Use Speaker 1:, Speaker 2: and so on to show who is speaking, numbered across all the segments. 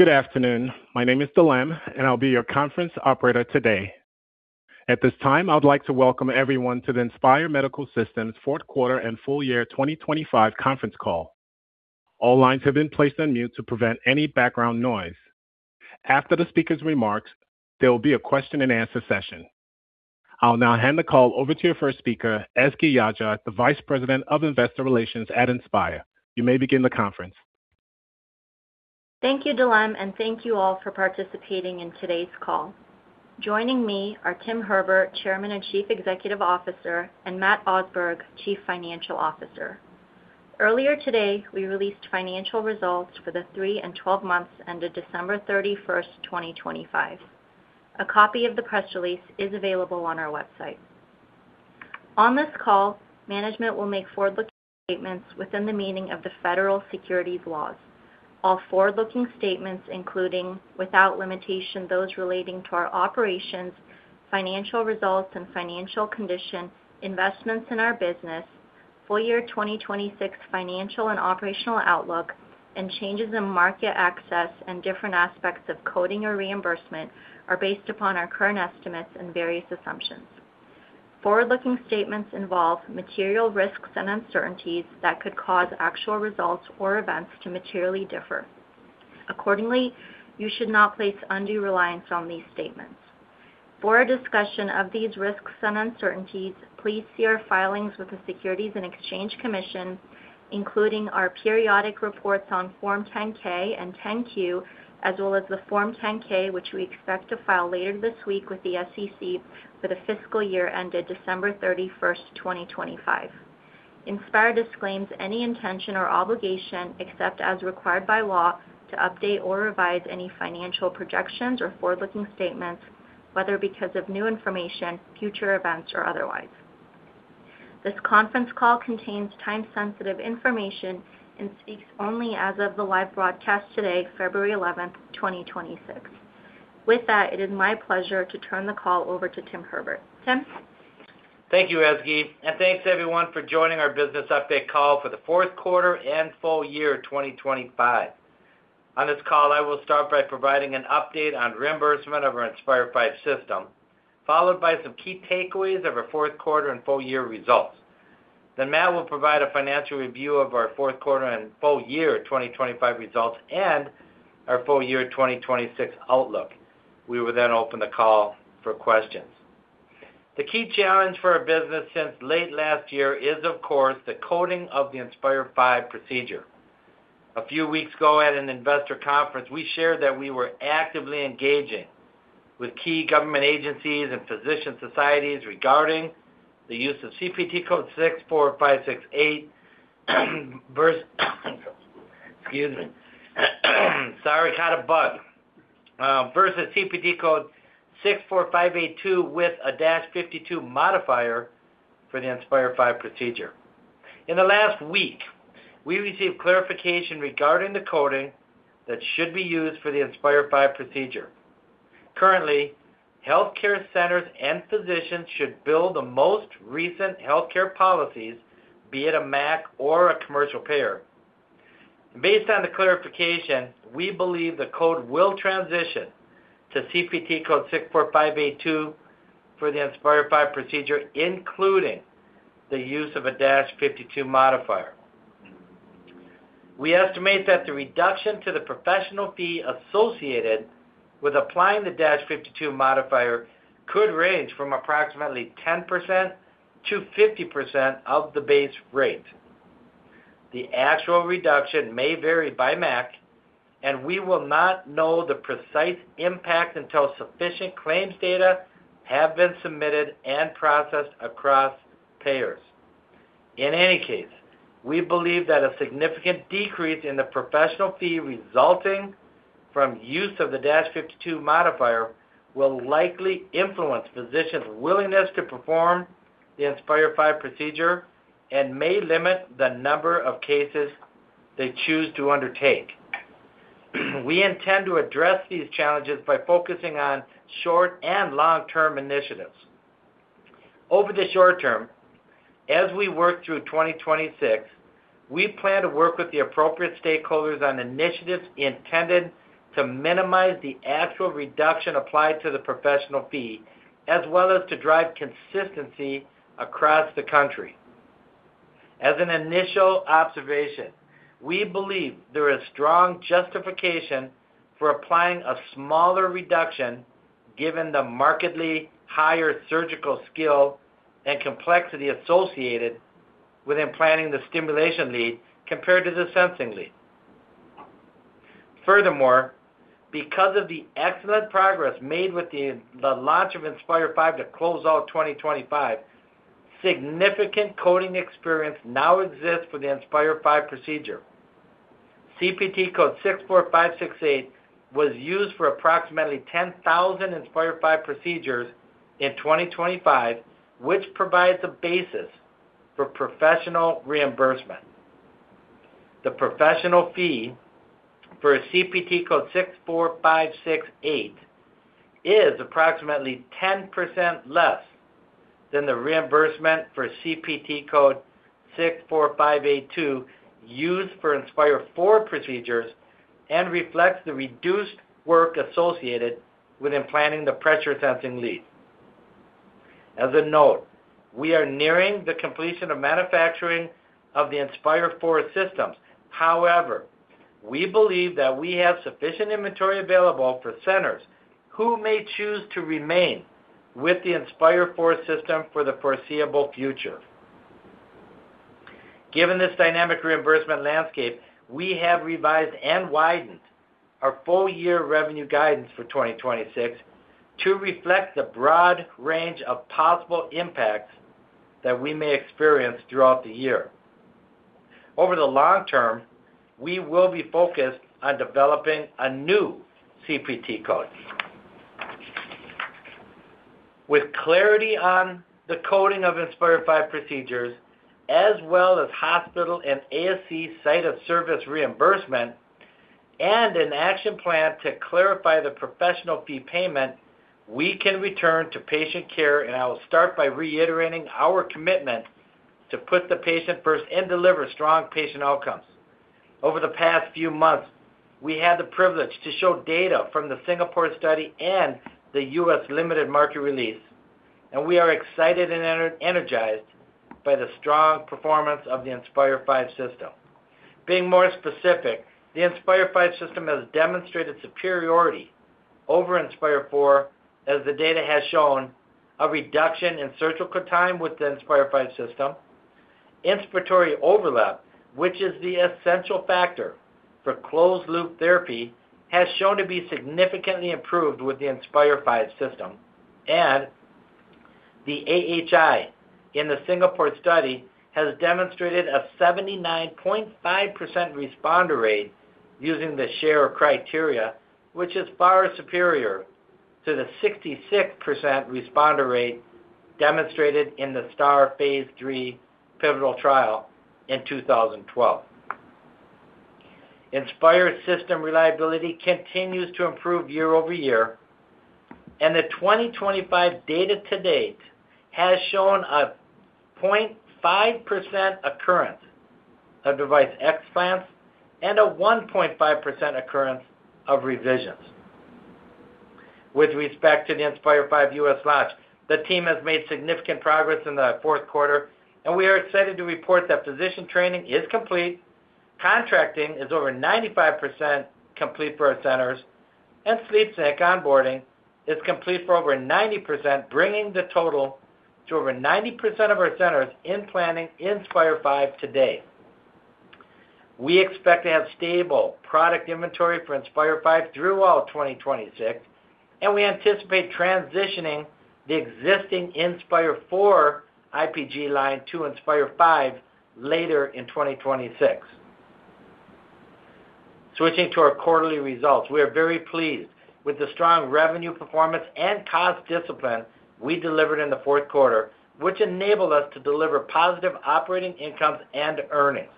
Speaker 1: Good afternoon. My name is Dilem and I'll be your conference operator today. At this time, I'd like to welcome everyone to the Inspire Medical Systems Fourth Quarter and Full Year 2025 Conference Call. All lines have been placed on mute to prevent any background noise. After the speaker's remarks, there will be a question-and-answer session. I'll now hand the call over to your first speaker, Ezgi Yagci, the Vice President of Investor Relations at Inspire. You may begin the conference.
Speaker 2: Thank you, Dilem, and thank you all for participating in today's call. Joining me are Tim Herbert, Chairman and Chief Executive Officer, and Matt Osberg, Chief Financial Officer. Earlier today, we released financial results for the three and 12 months ended December 31, 2025. A copy of the press release is available on our website. On this call, management will make forward-looking statements within the meaning of the federal securities laws. All forward-looking statements including, without limitation, those relating to our operations, financial results and financial condition, investments in our business, full year 2026 financial and operational outlook, and changes in market access and different aspects of coding or reimbursement are based upon our current estimates and various assumptions. Forward-looking statements involve material risks and uncertainties that could cause actual results or events to materially differ. Accordingly, you should not place undue reliance on these statements. For a discussion of these risks and uncertainties, please see our filings with the Securities and Exchange Commission, including our periodic reports on Form 10-K and 10-Q, as well as the Form 10-K which we expect to file later this week with the SEC for the fiscal year ended December 31, 2025. Inspire disclaims any intention or obligation except as required by law to update or revise any financial projections or forward-looking statements, whether because of new information, future events, or otherwise. This conference call contains time-sensitive information and speaks only as of the live broadcast today, February 11, 2026. With that, it is my pleasure to turn the call over to Tim Herbert. Tim?
Speaker 3: Thank you, Ezgi, and thanks everyone for joining our business update call for the fourth quarter and full year 2025. On this call, I will start by providing an update on reimbursement of our Inspire V system, followed by some key takeaways of our fourth quarter and full year results. Then Matt will provide a financial review of our fourth quarter and full year 2025 results and our full year 2026 outlook. We will then open the call for questions. The key challenge for our business since late last year is, of course, the coding of the Inspire V procedure. A few weeks ago at an investor conference, we shared that we were actively engaging with key government agencies and physician societies regarding the use of CPT code 64568 versus CPT code 64582 with a -52 modifier for the Inspire V procedure. In the last week, we received clarification regarding the coding that should be used for the Inspire V procedure. Currently, healthcare centers and physicians should bill the most recent healthcare policies, be it a MAC or a commercial payer. Based on the clarification, we believe the code will transition to CPT code 64582 for the Inspire V procedure, including the use of a -52 modifier. We estimate that the reduction to the professional fee associated with applying the -52 modifier could range from approximately 10%-50% of the base rate. The actual reduction may vary by MAC, and we will not know the precise impact until sufficient claims data have been submitted and processed across payers. In any case, we believe that a significant decrease in the professional fee resulting from use of the -52 modifier will likely influence physicians' willingness to perform the Inspire V procedure and may limit the number of cases they choose to undertake. We intend to address these challenges by focusing on short and long-term initiatives. Over the short term, as we work through 2026, we plan to work with the appropriate stakeholders on initiatives intended to minimize the actual reduction applied to the professional fee, as well as to drive consistency across the country. As an initial observation, we believe there is strong justification for applying a smaller reduction given the markedly higher surgical skill and complexity associated with implanting the stimulation lead compared to the sensing lead. Furthermore, because of the excellent progress made with the launch of Inspire V to close out 2025, significant coding experience now exists for the Inspire V procedure. CPT code 64568 was used for approximately 10,000 Inspire V procedures in 2025, which provides a basis for professional reimbursement. The professional fee for CPT code 64568 is approximately 10% less than the reimbursement for CPT code 64582 used for Inspire IV procedures and reflects the reduced work associated with implanting the pressure sensing lead. As a note, we are nearing the completion of manufacturing of the Inspire IV systems. However, we believe that we have sufficient inventory available for centers who may choose to remain with the Inspire IV system for the foreseeable future. Given this dynamic reimbursement landscape, we have revised and widened our full year revenue guidance for 2026 to reflect the broad range of possible impacts that we may experience throughout the year. Over the long term, we will be focused on developing a new CPT code. With clarity on the coding of Inspire V procedures, as well as hospital and ASC site of service reimbursement, and an action plan to clarify the professional fee payment, we can return to patient care, and I will start by reiterating our commitment to put the patient first and deliver strong patient outcomes. Over the past few months, we had the privilege to show data from the Singapore study and the U.S. limited market release, and we are excited and energized by the strong performance of the Inspire V system. Being more specific, the Inspire V system has demonstrated superiority over Inspire IV, as the data has shown, a reduction in surgical time with the Inspire V system, inspiratory overlap, which is the essential factor for closed-loop therapy, has shown to be significantly improved with the Inspire V system, and the AHI in the Singapore study has demonstrated a 79.5% responder rate using the Sher criteria, which is far superior to the 66% responder rate demonstrated in the STAR phase III pivotal trial in 2012. Inspire system reliability continues to improve year-over-year, and the 2025 data to date has shown a 0.5% occurrence of device explants and a 1.5% occurrence of revisions. With respect to the Inspire V U.S. Launch, the team has made significant progress in the fourth quarter, and we are excited to report that physician training is complete, contracting is over 95% complete for our centers, and SleepSync onboarding is complete for over 90%, bringing the total to over 90% of our centers implanting Inspire V today. We expect to have stable product inventory for Inspire V through all 2026, and we anticipate transitioning the existing Inspire IV IPG line to Inspire V later in 2026. Switching to our quarterly results, we are very pleased with the strong revenue performance and cost discipline we delivered in the fourth quarter, which enabled us to deliver positive operating incomes and earnings.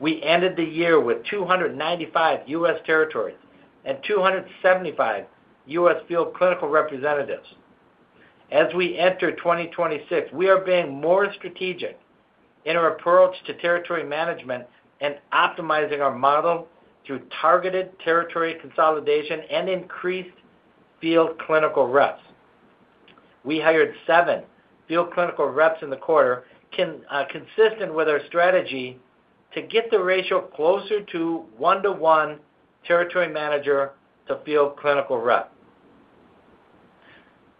Speaker 3: We ended the year with 295 U.S. territories and 275 U.S. field clinical representatives. As we enter 2026, we are being more strategic in our approach to territory management and optimizing our model through targeted territory consolidation and increased field clinical reps. We hired seven field clinical reps in the quarter, consistent with our strategy to get the ratio closer to one-to-one territory manager to field clinical rep.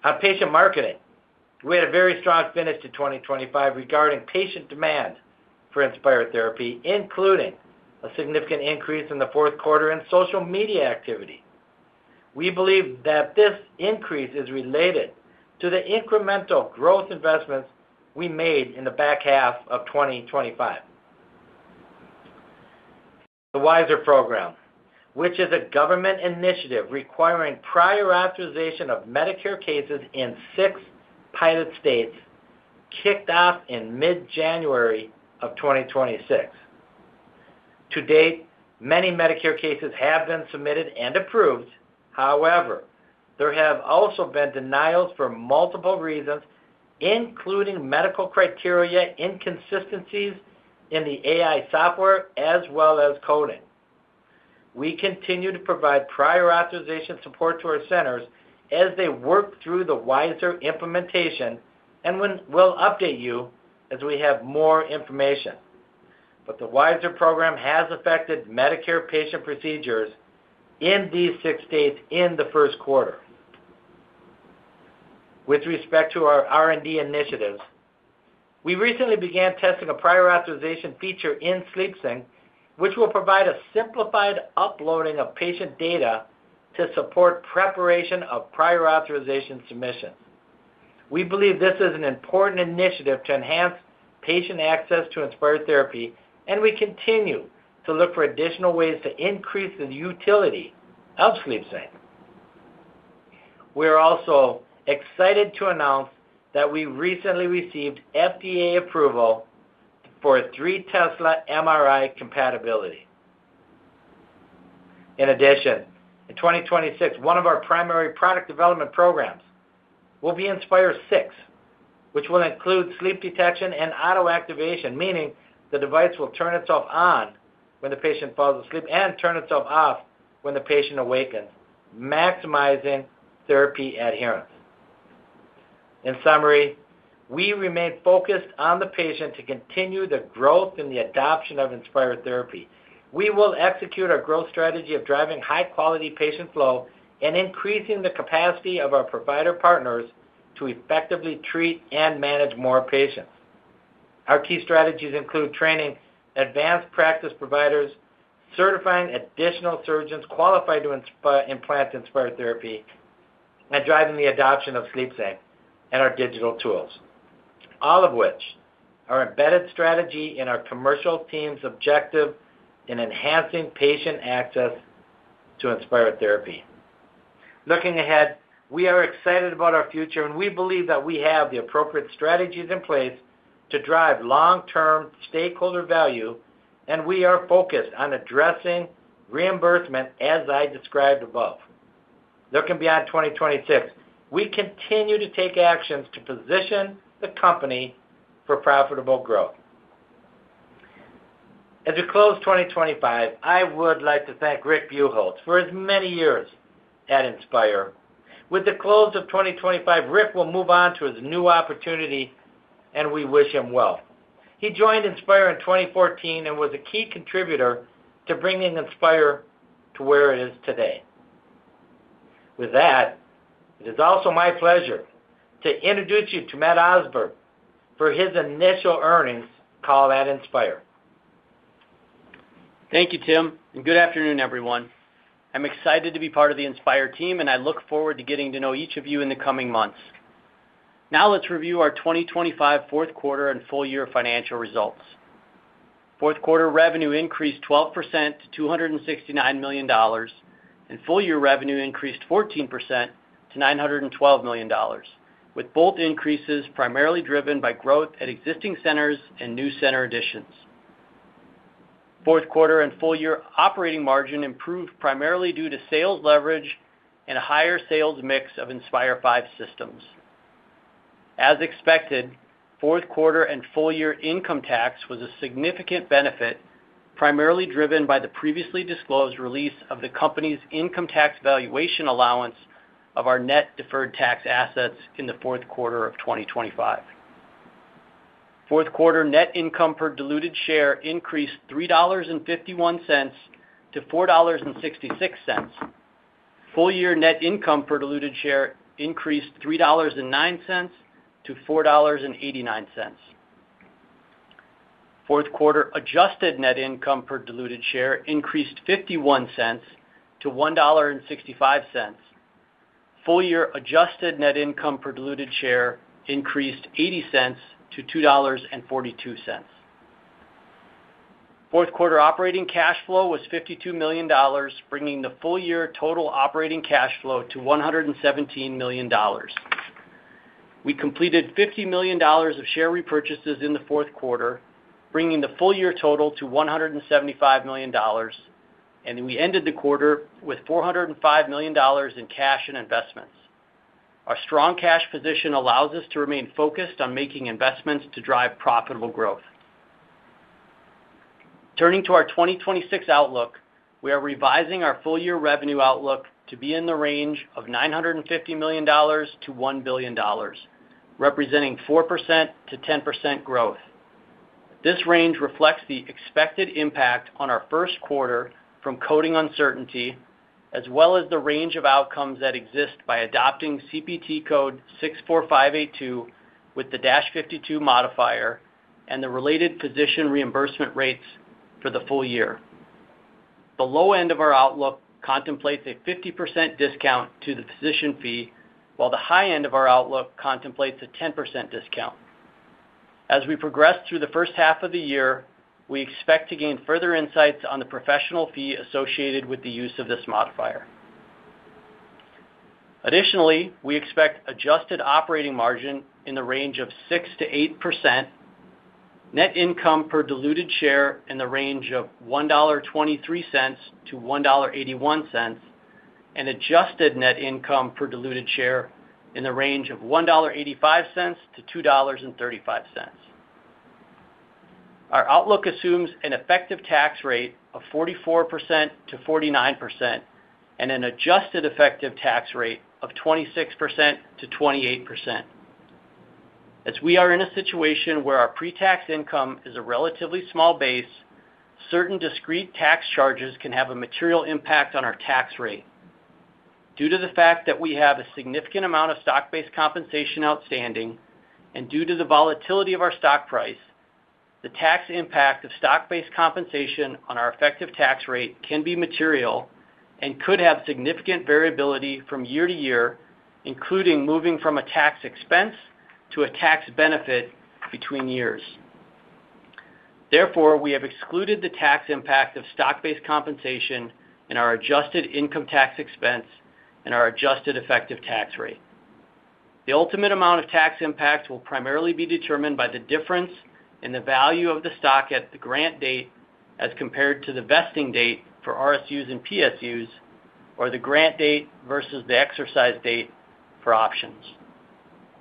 Speaker 3: On patient marketing, we had a very strong finish to 2025 regarding patient demand for Inspire therapy, including a significant increase in the fourth quarter in social media activity. We believe that this increase is related to the incremental growth investments we made in the back half of 2025. The WISeR program, which is a government initiative requiring prior authorization of Medicare cases in six pilot states, kicked off in mid-January of 2026. To date, many Medicare cases have been submitted and approved. However, there have also been denials for multiple reasons, including medical criteria inconsistencies in the AI software as well as coding. We continue to provide prior authorization support to our centers as they work through the WISeR implementation, and we'll update you as we have more information. But the WISeR program has affected Medicare patient procedures in these six states in the first quarter. With respect to our R&D initiatives, we recently began testing a prior authorization feature in SleepSync, which will provide a simplified uploading of patient data to support preparation of prior authorization submissions. We believe this is an important initiative to enhance patient access to Inspire therapy, and we continue to look for additional ways to increase the utility of SleepSync. We are also excited to announce that we recently received FDA approval for three Tesla MRI compatibility. In addition, in 2026, one of our primary product development programs will be Inspire VI, which will include sleep detection and auto activation, meaning the device will turn itself on when the patient falls asleep and turn itself off when the patient awakens, maximizing therapy adherence. In summary, we remain focused on the patient to continue the growth and the adoption of Inspire therapy. We will execute our growth strategy of driving high-quality patient flow and increasing the capacity of our provider partners to effectively treat and manage more patients. Our key strategies include training advanced practice providers, certifying additional surgeons qualified to implant Inspire therapy, and driving the adoption of SleepSync and our digital tools, all of which are embedded strategy in our commercial team's objective in enhancing patient access to Inspire therapy. Looking ahead, we are excited about our future, and we believe that we have the appropriate strategies in place to drive long-term stakeholder value, and we are focused on addressing reimbursement, as I described above. Looking beyond 2026, we continue to take actions to position the company for profitable growth. As we close 2025, I would like to thank Rick Buchholz for as many years at Inspire. With the close of 2025, Rick will move on to his new opportunity, and we wish him well. He joined Inspire in 2014 and was a key contributor to bringing Inspire to where it is today. With that, it is also my pleasure to introduce you to Matt Osberg for his initial earnings call at Inspire.
Speaker 4: Thank you, Tim, and good afternoon, everyone. I'm excited to be part of the Inspire team, and I look forward to getting to know each of you in the coming months. Now let's review our 2025 fourth quarter and full year financial results. Fourth quarter revenue increased 12% to $269 million, and full year revenue increased 14% to $912 million, with both increases primarily driven by growth at existing centers and new center additions. Fourth quarter and full year operating margin improved primarily due to sales leverage and a higher sales mix of Inspire V systems. As expected, fourth quarter and full year income tax was a significant benefit, primarily driven by the previously disclosed release of the company's income tax valuation allowance of our net deferred tax assets in the fourth quarter of 2025. Fourth quarter net income per diluted share increased $3.51-$4.66. Full year net income per diluted share increased $3.09-$4.89. Fourth quarter adjusted net income per diluted share increased $0.51-$1.65. Full year adjusted net income per diluted share increased $0.80-$2.42. Fourth quarter operating cash flow was $52 million, bringing the full year total operating cash flow to $117 million. We completed $50 million of share repurchases in the fourth quarter, bringing the full year total to $175 million, and we ended the quarter with $405 million in cash and investments. Our strong cash position allows us to remain focused on making investments to drive profitable growth. Turning to our 2026 outlook, we are revising our full year revenue outlook to be in the range of $950 million-$1 billion, representing 4%-10% growth. This range reflects the expected impact on our first quarter from coding uncertainty, as well as the range of outcomes that exist by adopting CPT code 64582 with the -52 modifier and the related physician reimbursement rates for the full year. The low end of our outlook contemplates a 50% discount to the physician fee, while the high end of our outlook contemplates a 10% discount. As we progress through the first half of the year, we expect to gain further insights on the professional fee associated with the use of this modifier. Additionally, we expect adjusted operating margin in the range of 6%-8%, net income per diluted share in the range of $1.23-$1.81, and adjusted net income per diluted share in the range of $1.85-$2.35. Our outlook assumes an effective tax rate of 44%-49% and an adjusted effective tax rate of 26%-28%. As we are in a situation where our pre-tax income is a relatively small base, certain discrete tax charges can have a material impact on our tax rate. Due to the fact that we have a significant amount of stock-based compensation outstanding and due to the volatility of our stock price, the tax impact of stock-based compensation on our effective tax rate can be material and could have significant variability from year to year, including moving from a tax expense to a tax benefit between years. Therefore, we have excluded the tax impact of stock-based compensation in our adjusted income tax expense and our adjusted effective tax rate. The ultimate amount of tax impact will primarily be determined by the difference in the value of the stock at the grant date as compared to the vesting date for RSUs and PSUs, or the grant date versus the exercise date for options.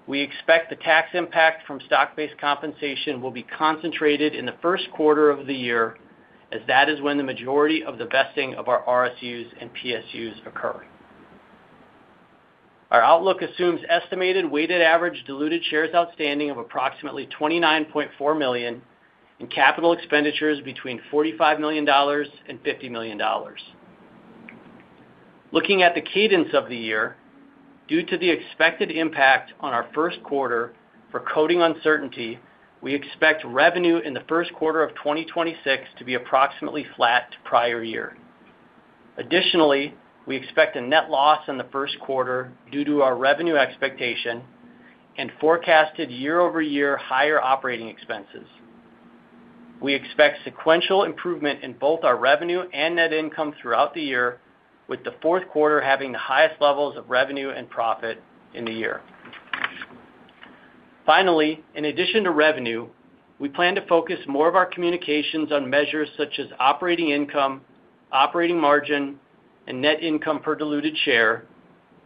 Speaker 4: We expect the tax impact from stock-based compensation will be concentrated in the first quarter of the year, as that is when the majority of the vesting of our RSUs and PSUs occur. Our outlook assumes estimated weighted average diluted shares outstanding of approximately 29.4 million and capital expenditures between $45 million-$50 million. Looking at the cadence of the year, due to the expected impact on our first quarter for coding uncertainty, we expect revenue in the first quarter of 2026 to be approximately flat to prior year. Additionally, we expect a net loss in the first quarter due to our revenue expectation and forecasted year-over-year higher operating expenses. We expect sequential improvement in both our revenue and net income throughout the year, with the fourth quarter having the highest levels of revenue and profit in the year. Finally, in addition to revenue, we plan to focus more of our communications on measures such as operating income, operating margin, and net income per diluted share,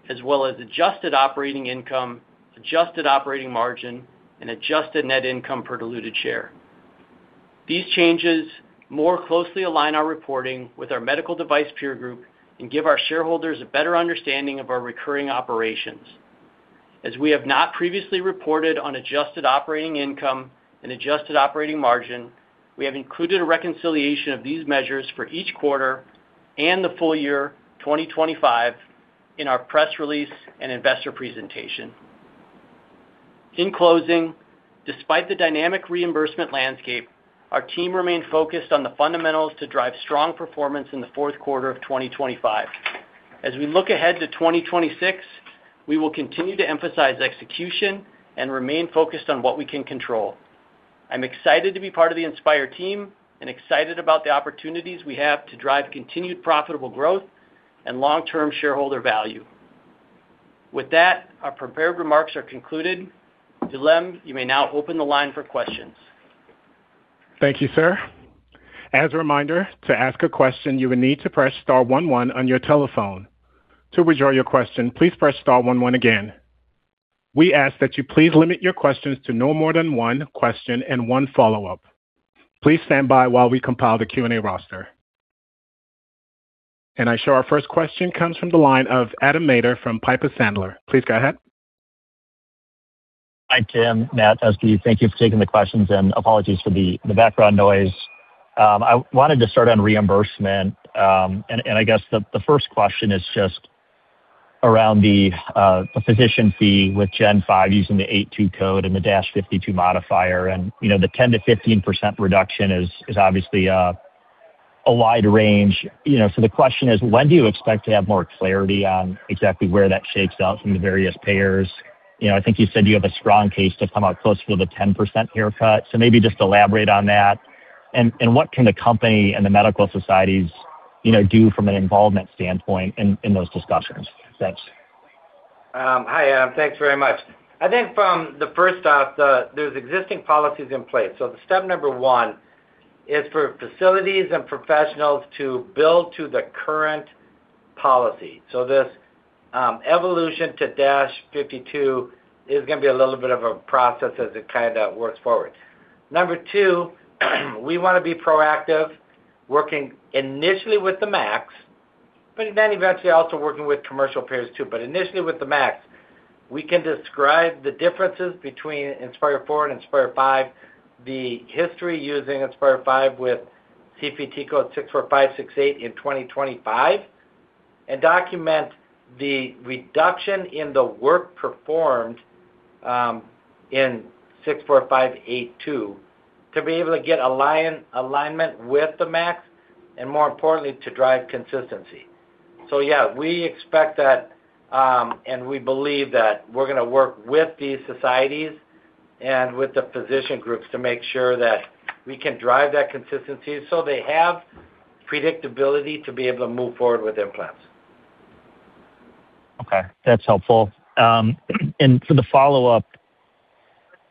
Speaker 4: as well as adjusted operating income, adjusted operating margin, and adjusted net income per diluted share. These changes more closely align our reporting with our medical device peer group and give our shareholders a better understanding of our recurring operations. As we have not previously reported on adjusted operating income and adjusted operating margin, we have included a reconciliation of these measures for each quarter and the full year 2025 in our press release and investor presentation. In closing, despite the dynamic reimbursement landscape, our team remained focused on the fundamentals to drive strong performance in the fourth quarter of 2025. As we look ahead to 2026, we will continue to emphasize execution and remain focused on what we can control. I'm excited to be part of the Inspire team and excited about the opportunities we have to drive continued profitable growth and long-term shareholder value. With that, our prepared remarks are concluded. Dilem, you may now open the line for questions.
Speaker 1: Thank you, sir. As a reminder, to ask a question, you will need to press star one one on your telephone. To withdraw your question, please press star one one again. We ask that you please limit your questions to no more than one question and one follow-up. Please stand by while we compile the Q&A roster. And our first question comes from the line of Adam Maeder from Piper Sandler. Please go ahead.
Speaker 5: Hi, Tim, Matt, Ezgi. Thank you for taking the questions, and apologies for the background noise. I wanted to start on reimbursement, and I guess the first question is just around the physician fee with Gen 5 using the 82 code and the -52 modifier. And the 10%-15% reduction is obviously a wide range. So the question is, when do you expect to have more clarity on exactly where that shakes out from the various payers? I think you said you have a strong case to come out closer to the 10% haircut. So maybe just elaborate on that. And what can the company and the medical societies do from an involvement standpoint in those discussions? Thanks.
Speaker 3: Hi, Adam. Thanks very much. I think, first off, there's existing policies in place. So step number one is for facilities and professionals to bill to the current policy. So this evolution to -52 is going to be a little bit of a process as it kind of works forward. Number two, we want to be proactive, working initially with the MACs, but then eventually also working with commercial payers too. But initially with the MACs, we can describe the differences between Inspire IV and Inspire V, the history using Inspire V with CPT code 64568 in 2025, and document the reduction in the work performed in 64582 to be able to get alignment with the MACs and, more importantly, to drive consistency. So yeah, we expect that, and we believe that we're going to work with these societies and with the physician groups to make sure that we can drive that consistency so they have predictability to be able to move forward with implants.
Speaker 5: Okay. That's helpful. And for the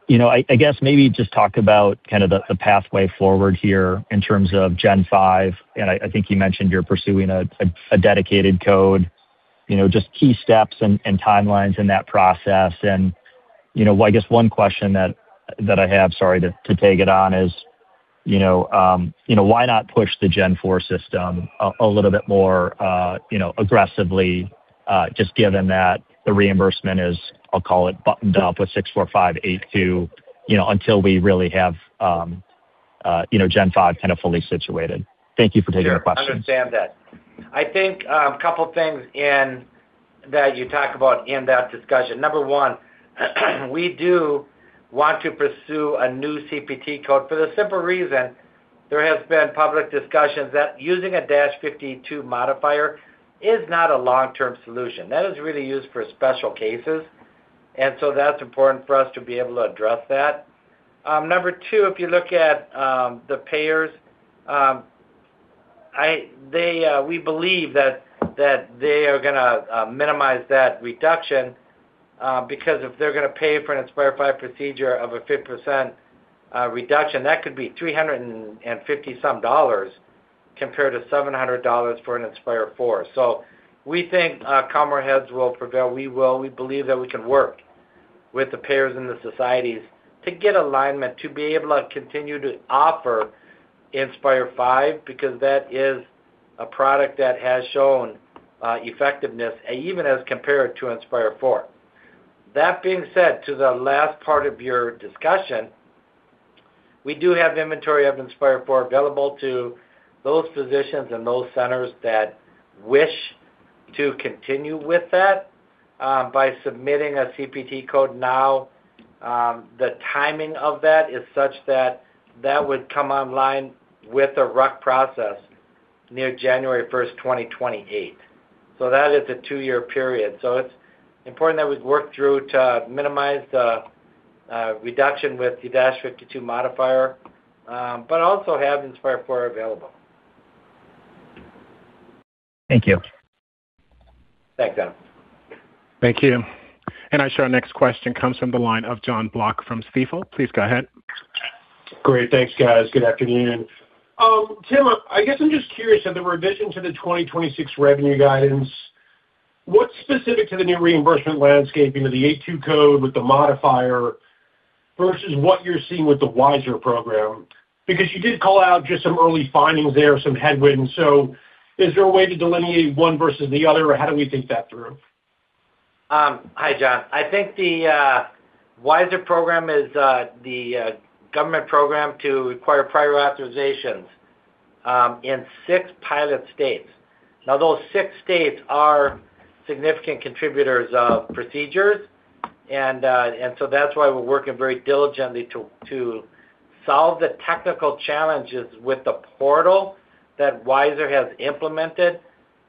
Speaker 5: follow-up, I guess maybe just talk about kind of the pathway forward here in terms of Gen 5. And I think you mentioned you're pursuing a dedicated code. Just key steps and timelines in that process. And I guess one question that I have, sorry, to take it on is, why not push the Gen 4 system a little bit more aggressively, just given that the reimbursement is, I'll call it, buttoned up with 64582 until we really have Gen 5 kind of fully situated? Thank you for taking the question. I understand that.
Speaker 3: I think a couple of things that you talk about in that discussion. Number one, we do want to pursue a new CPT code for the simple reason there has been public discussions that using a -52 modifier is not a long-term solution. That is really used for special cases, and so that's important for us to be able to address that. Number two, if you look at the payers, we believe that they are going to minimize that reduction because if they're going to pay for an Inspire V procedure of a 50% reduction, that could be $350-some compared to $700 for an Inspire IV. So we think CMS will prevail. We will. We believe that we can work with the payers and the societies to get alignment, to be able to continue to offer Inspire V because that is a product that has shown effectiveness, even as compared to Inspire IV. That being said, to the last part of your discussion, we do have inventory of Inspire IV available to those physicians and those centers that wish to continue with that by submitting a CPT code now. The timing of that is such that that would come online with a RUC process near January 1st, 2028. So that is a two-year period. So it's important that we work through to minimize the reduction with the -52 modifier, but also have Inspire IV available.
Speaker 5: Thank you.
Speaker 3: Thanks, Adam.
Speaker 1: Thank you. And I show our next question comes from the line of Jon Block from Stifel. Please go ahead.
Speaker 6: Great. Thanks, guys. Good afternoon. Tim, I guess I'm just curious. At the revision to the 2026 revenue guidance, what's specific to the new reimbursement landscape, the 82 code with the modifier, versus what you're seeing with the WISeR program? Because you did call out just some early findings there, some headwinds. So is there a way to delineate one versus the other, or how do we think that through?
Speaker 3: Hi, John. I think the WISeR program is the government program to require prior authorizations in six pilot states. Now, those six states are significant contributors of procedures, and so that's why we're working very diligently to solve the technical challenges with the portal that WISeR has implemented.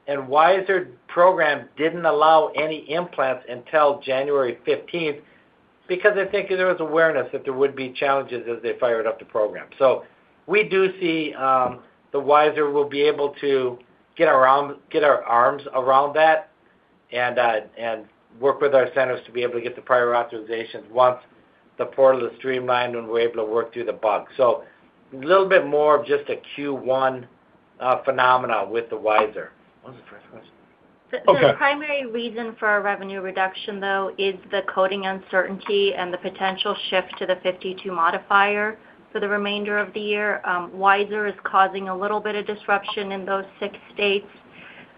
Speaker 3: And WISeR program didn't allow any implants until January 15th because they think there was awareness that there would be challenges as they fired up the program. We do see the WISeR will be able to get our arms around that and work with our centers to be able to get the prior authorizations once the portal is streamlined and we're able to work through the bug. A little bit more of just a Q1 phenomena with the WISeR. What was the first question?
Speaker 2: The primary reason for our revenue reduction, though, is the coding uncertainty and the potential shift to the -52 modifier for the remainder of the year. WISeR is causing a little bit of disruption in those six states,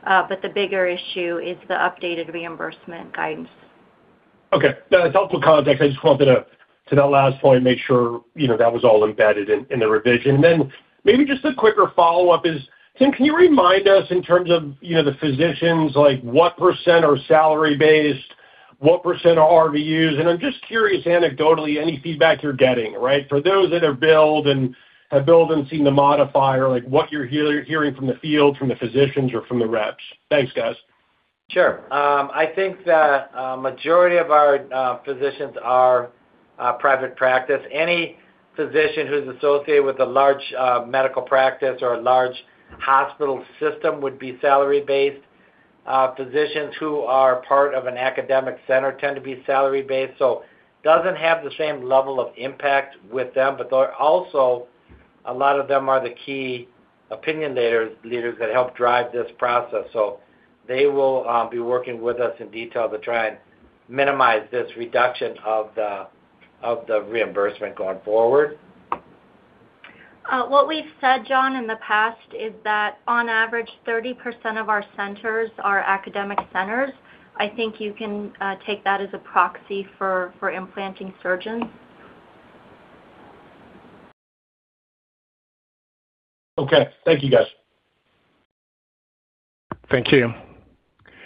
Speaker 2: but the bigger issue is the updated reimbursement guidance.
Speaker 6: Okay. That's helpful context. I just wanted to, to that last point, make sure that was all embedded in the revision. Then maybe just a quicker follow-up is, Tim, can you remind us in terms of the physicians, what % are salary-based, what % are RVUs? And I'm just curious, anecdotally, any feedback you're getting, right, for those that have built and seen the modifier, what you're hearing from the field, from the physicians, or from the reps? Thanks, guys.
Speaker 3: Sure. I think that a majority of our physicians are private practice. Any physician who's associated with a large medical practice or a large hospital system would be salary-based. Physicians who are part of an academic center tend to be salary-based, so it doesn't have the same level of impact with them, but also, a lot of them are the key opinion leaders that help drive this process. So they will be working with us in detail to try and minimize this reduction of the reimbursement going forward.
Speaker 2: What we've said, John, in the past is that, on average, 30% of our centers are academic centers. I think you can take that as a proxy for implanting surgeons.
Speaker 6: Okay. Thank you, guys.
Speaker 1: Thank you.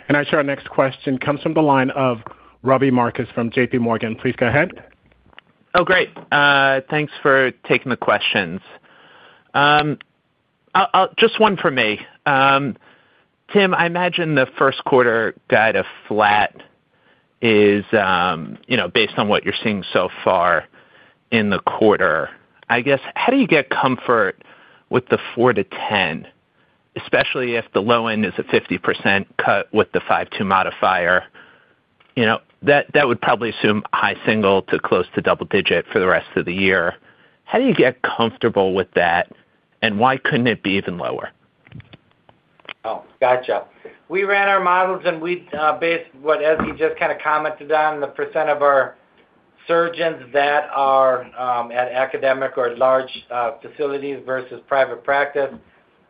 Speaker 1: And our next question comes from the line of Robbie Marcus from JPMorgan. Please go ahead.
Speaker 7: Oh, great. Thanks for taking the questions. Just one for me. Tim, I imagine the first quarter kind of flat is based on what you're seeing so far in the quarter. I guess, how do you get comfort with the 4%-10%, especially if the low end is a 50% cut with the 52 modifier? That would probably assume high single to close to double-digit for the rest of the year. How do you get comfortable with that, and why couldn't it be even lower?
Speaker 3: Oh, gotcha. We ran our models, and we based what Ezgi just kind of commented on, the percent of our surgeons that are at academic or large facilities versus private practice,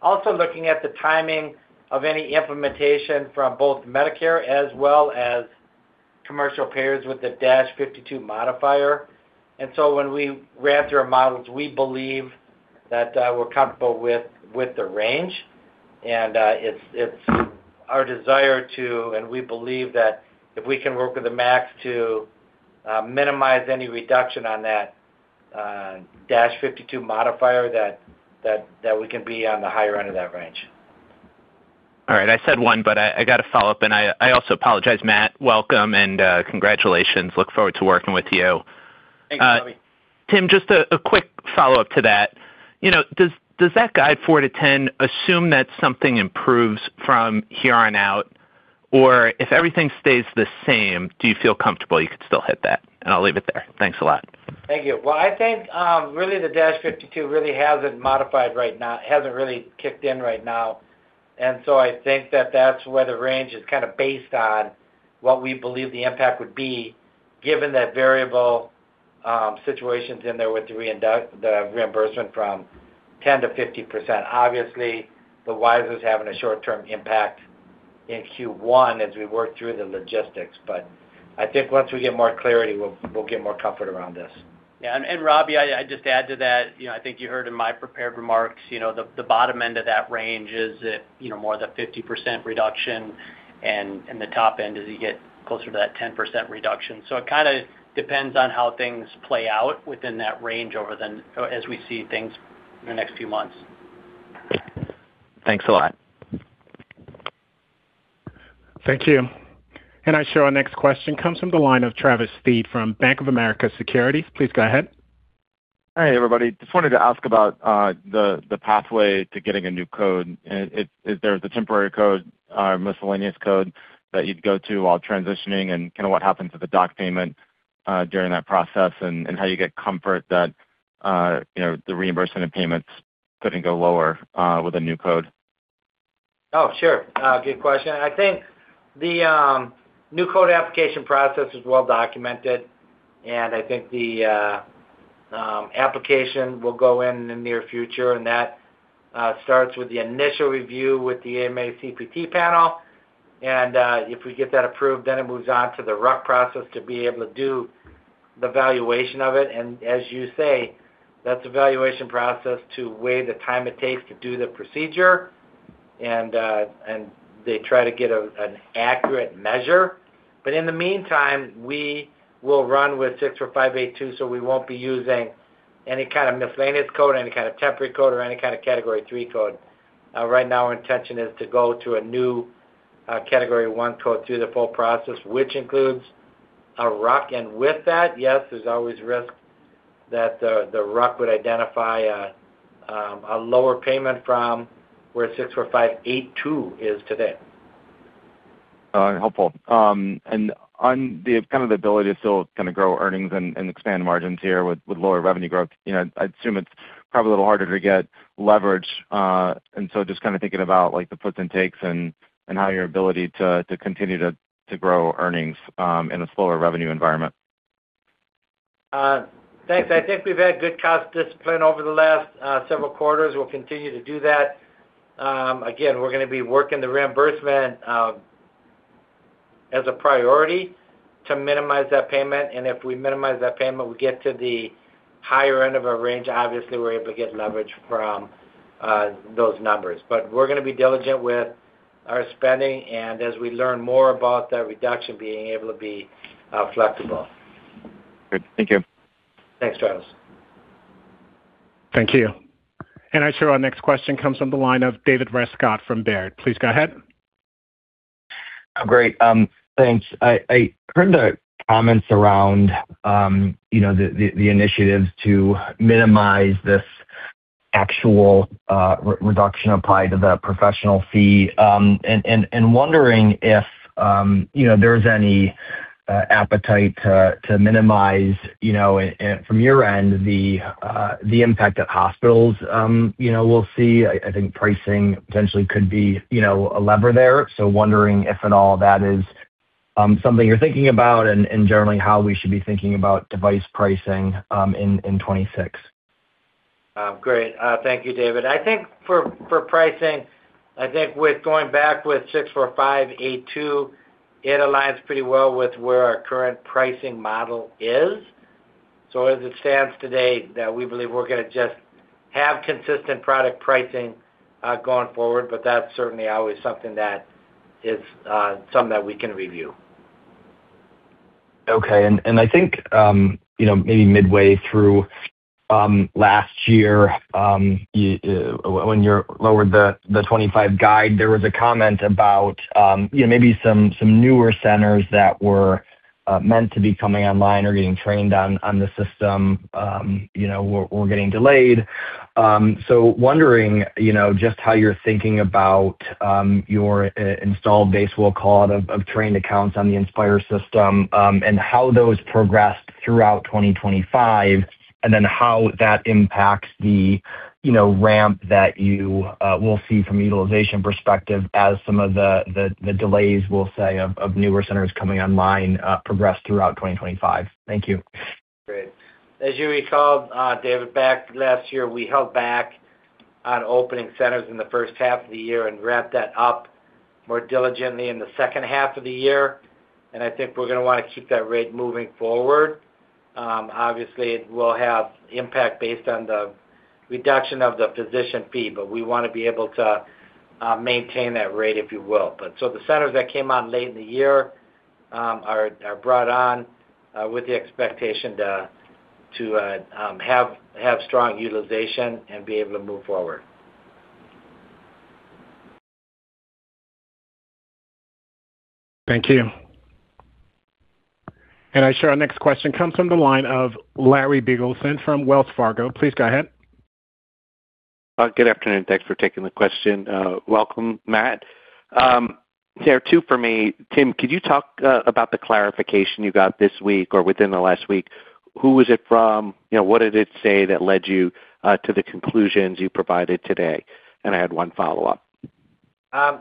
Speaker 3: also looking at the timing of any implementation from both Medicare as well as commercial payers with the -52 modifier. And so when we ran through our models, we believe that we're comfortable with the range. And it's our desire to and we believe that if we can work with the MACs to minimize any reduction on that -52 modifier, that we can be on the higher end of that range.
Speaker 7: All right. I said one, but I got to follow up. And I also apologize, Matt. Welcome and congratulations. Look forward to working with you.
Speaker 3: Thanks, Robbie.
Speaker 7: Tim, just a quick follow-up to that. Does that guide $4-$10 assume that something improves from here on out? Or if everything stays the same, do you feel comfortable you could still hit that? And I'll leave it there. Thanks a lot.
Speaker 3: Thank you. Well, I think, really, the -52 really hasn't modified right now, hasn't really kicked in right now. And so I think that that's where the range is kind of based on what we believe the impact would be, given the variable situations in there with the reimbursement from 10%-50%. Obviously, the WISeR's having a short-term impact in Q1 as we work through the logistics. But I think once we get more clarity, we'll get more comfort around this. Yeah. And Robbie, I'd just add to that. I think you heard in my prepared remarks, the bottom end of that range, is it more of the 50% reduction? The top end, does it get closer to that 10% reduction? So it kind of depends on how things play out within that range as we see things in the next few months.
Speaker 7: Thanks a lot.
Speaker 1: Thank you. And our next question comes from the line of Travis Steed from Bank of America Securities. Please go ahead.
Speaker 8: Hi, everybody. Just wanted to ask about the pathway to getting a new code. Is there the temporary code, miscellaneous code, that you'd go to while transitioning? And kind of what happens to the doc payment during that process and how you get comfort that the reimbursement of payments couldn't go lower with a new code?
Speaker 3: Oh, sure. Good question. I think the new code application process is well-documented, and I think the application will go in in the near future. That starts with the initial review with the AMA CPT panel. If we get that approved, then it moves on to the RUC process to be able to do the evaluation of it. As you say, that's an evaluation process to weigh the time it takes to do the procedure, and they try to get an accurate measure. But in the meantime, we will run with 64582, so we won't be using any kind of miscellaneous code, any kind of temporary code, or any kind of category III code. Right now, our intention is to go to a new category I code through the full process, which includes a RUC. With that, yes, there's always risk that the RUC would identify a lower payment from where 64582 is today.
Speaker 8: Helpful. On kind of the ability to still kind of grow earnings and expand margins here with lower revenue growth, I'd assume it's probably a little harder to get leverage. And so just kind of thinking about the puts and takes and how your ability to continue to grow earnings in a slower revenue environment.
Speaker 3: Thanks. I think we've had good cost discipline over the last several quarters. We'll continue to do that. Again, we're going to be working the reimbursement as a priority to minimize that payment. And if we minimize that payment, we get to the higher end of our range, obviously, we're able to get leverage from those numbers. But we're going to be diligent with our spending, and as we learn more about that reduction, being able to be flexible.
Speaker 8: Great. Thank you.
Speaker 3: Thanks, Travis.
Speaker 1: Thank you. I show our next question comes from the line of David Rescott from Baird. Please go ahead.
Speaker 9: Great. Thanks. I heard the comments around the initiatives to minimize this actual reduction applied to the professional fee and wondering if there's any appetite to minimize, from your end, the impact that hospitals will see. I think pricing potentially could be a lever there. So wondering if, at all, that is something you're thinking about and, generally, how we should be thinking about device pricing in 2026. Great. Thank you, David. I think, for pricing, I think, going back with 64582, it aligns pretty well with where our current pricing model is. So as it stands today, we believe we're going to just have consistent product pricing going forward, but that's certainly always something that is something that we can review. Okay. I think maybe midway through last year, when you lowered the 2025 guide, there was a comment about maybe some newer centers that were meant to be coming online or getting trained on the system were getting delayed. So wondering just how you're thinking about your installed base, we'll call it, of trained accounts on the Inspire system and how those progressed throughout 2025 and then how that impacts the ramp that you will see from a utilization perspective as some of the delays, we'll say, of newer centers coming online progressed throughout 2025. Thank you.
Speaker 3: Great. As you recall, David, back last year, we held back on opening centers in the first half of the year and wrapped that up more diligently in the second half of the year. I think we're going to want to keep that rate moving forward. Obviously, it will have impact based on the reduction of the physician fee, but we want to be able to maintain that rate, if you will. So the centers that came on late in the year are brought on with the expectation to have strong utilization and be able to move forward.
Speaker 1: Thank you. And I show our next question comes from the line of Larry Biegelsen from Wells Fargo. Please go ahead.
Speaker 10: Good afternoon. Thanks for taking the question. Welcome, Matt. There are two for me. Tim, could you talk about the clarification you got this week or within the last week? Who was it from? What did it say that led you to the conclusions you provided today? And I had one follow-up.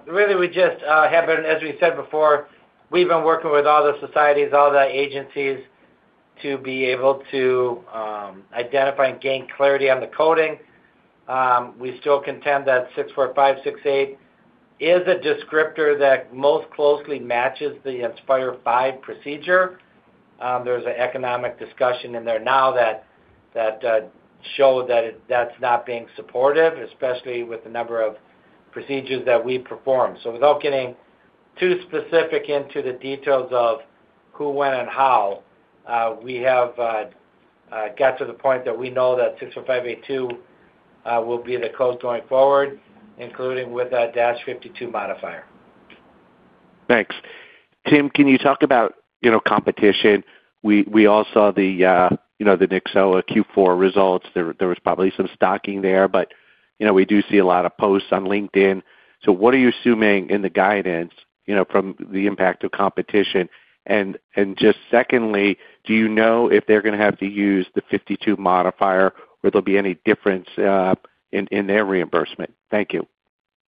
Speaker 3: Really, we just have been as we said before, we've been working with all the societies, all the agencies to be able to identify and gain clarity on the coding. We still contend that 64568 is a descriptor that most closely matches the Inspire V procedure. There's an economic discussion in there now that showed that that's not being supportive, especially with the number of procedures that we perform. So without getting too specific into the details of who went and how, we have got to the point that we know that 64582 will be the code going forward, including with that -52 modifier.
Speaker 10: Thanks. Tim, can you talk about competition? We all saw the Nyxoah Q4 results. There was probably some stocking there, but we do see a lot of posts on LinkedIn. So what are you assuming in the guidance from the impact of competition? Just secondly, do you know if they're going to have to use the 52 modifier or there'll be any difference in their reimbursement? Thank you.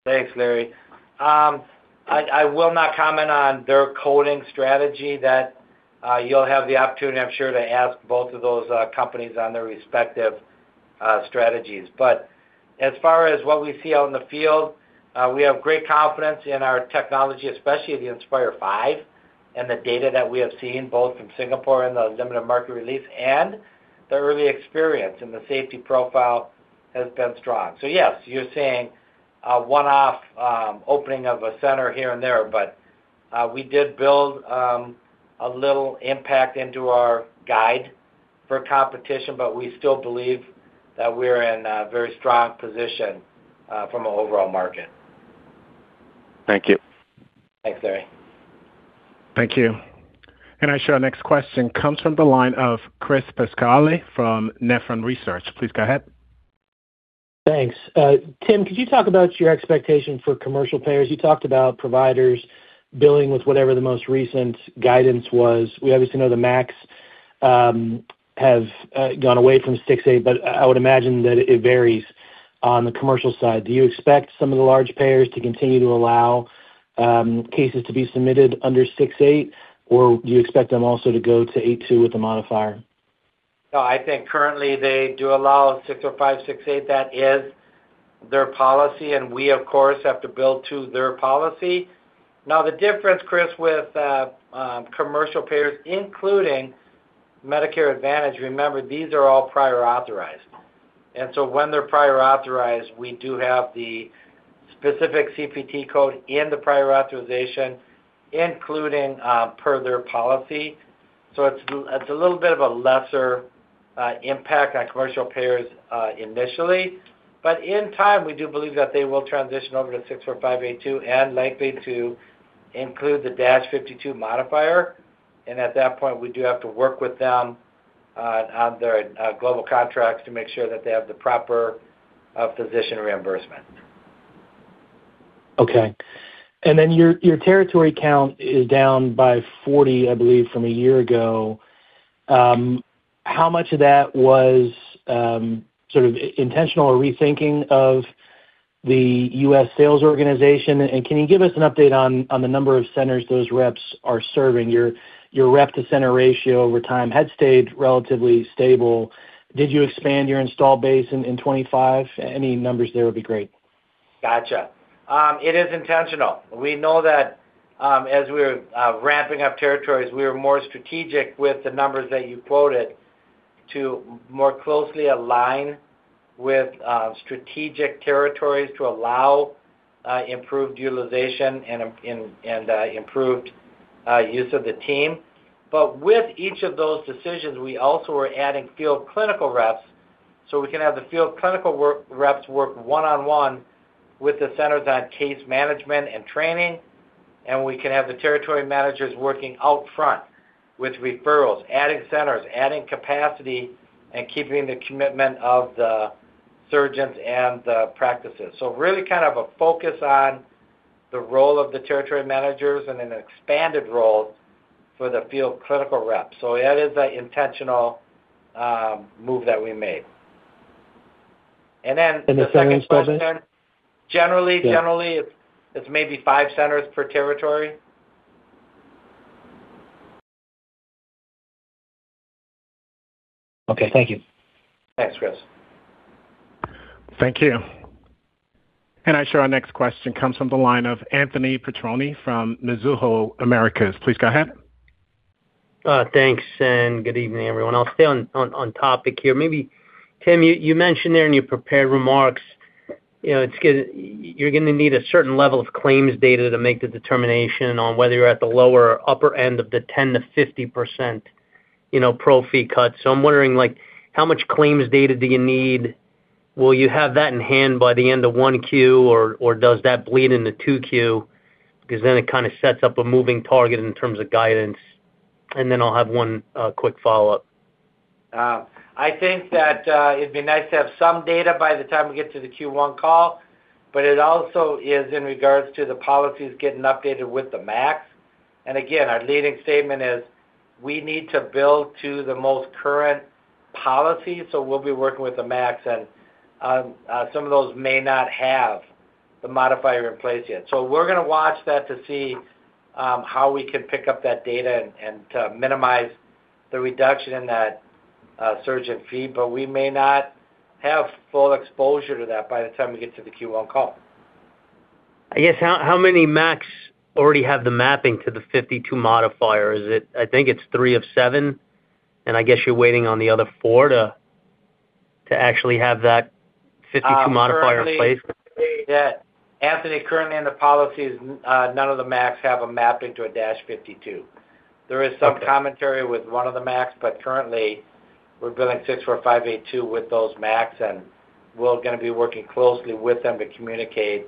Speaker 3: Thanks, Larry. I will not comment on their coding strategy. You'll have the opportunity, I'm sure, to ask both of those companies on their respective strategies. But as far as what we see out in the field, we have great confidence in our technology, especially the Inspire V and the data that we have seen, both from Singapore and the limited market release and the early experience. And the safety profile has been strong. So yes, you're saying one-off opening of a center here and there, but we did build a little impact into our guide for competition, but we still believe that we're in a very strong position from an overall market.
Speaker 10: Thank you.
Speaker 3: Thanks, Larry.
Speaker 1: Thank you. Our next question comes from the line of Chris Pasquale from Nephron Research. Please go ahead.
Speaker 11: Thanks. Tim, could you talk about your expectation for commercial payers? You talked about providers billing with whatever the most recent guidance was. We obviously know the MACs have gone away from 64568, but I would imagine that it varies on the commercial side. Do you expect some of the large payers to continue to allow cases to be submitted under 64568, or do you expect them also to go to 64582 with the modifier?
Speaker 3: No, I think, currently, they do allow 64568. That is their policy, and we, of course, have to bill to their policy. Now, the difference, Chris, with commercial payers, including Medicare Advantage, remember, these are all prior authorized. And so when they're prior authorized, we do have the specific CPT code in the prior authorization, including per their policy. So it's a little bit of a lesser impact on commercial payers initially. But in time, we do believe that they will transition over to 64582 and likely to include the -52 modifier. And at that point, we do have to work with them on their global contracts to make sure that they have the proper physician reimbursement.
Speaker 11: Okay. And then your territory count is down by 40, I believe, from a year ago. How much of that was sort of intentional or rethinking of the U.S. sales organization? And can you give us an update on the number of centers those reps are serving? Your rep-to-center ratio over time had stayed relatively stable. Did you expand your installed base in 2025? Any numbers there would be great.
Speaker 3: Gotcha. It is intentional. We know that, as we were ramping up territories, we were more strategic with the numbers that you quoted to more closely align with strategic territories to allow improved utilization and improved use of the team. But with each of those decisions, we also were adding field clinical reps so we can have the field clinical reps work one-on-one with the centers on case management and training, and we can have the territory managers working out front with referrals, adding centers, adding capacity, and keeping the commitment of the surgeons and the practices. So really kind of a focus on the role of the territory managers and an expanded role for the field clinical reps. So that is an intentional move that we made. And then the second question, generally, generally, it's maybe 5 centers per territory?
Speaker 11: Okay. Thank you.
Speaker 3: Thanks, Chris.
Speaker 1: Thank you. I show our next question comes from the line of Anthony Petrone from Mizuho Americas. Please go ahead.
Speaker 12: Thanks, and good evening, everyone. I'll stay on topic here. Tim, you mentioned there in your prepared remarks, you're going to need a certain level of claims data to make the determination on whether you're at the lower or upper end of the 10%-50% pro-fee cut. So I'm wondering, how much claims data do you need? Will you have that in hand by the end of one Q, or does that bleed into two Q? Because then it kind of sets up a moving target in terms of guidance. And then I'll have one quick follow-up.
Speaker 3: I think that it'd be nice to have some data by the time we get to the Q1 call, but it also is in regards to the policies getting updated with the MACs. And again, our leading statement is we need to build to the most current policy, so we'll be working with the MACs. And some of those may not have the modifier in place yet. So we're going to watch that to see how we can pick up that data and minimize the reduction in that surgeon fee, but we may not have full exposure to that by the time we get to the Q1 call.
Speaker 12: I guess, how many MACs already have the mapping to the 52 modifier? I think it's three of seven, and I guess you're waiting on the other four to actually have that 52 modifier in place?
Speaker 3: Yeah. Anthony, currently, in the policies, none of the MACs have a mapping to a -52. There is some commentary with one of the MACs, but currently, we're billing 64582 with those MACs, and we're going to be working closely with them to communicate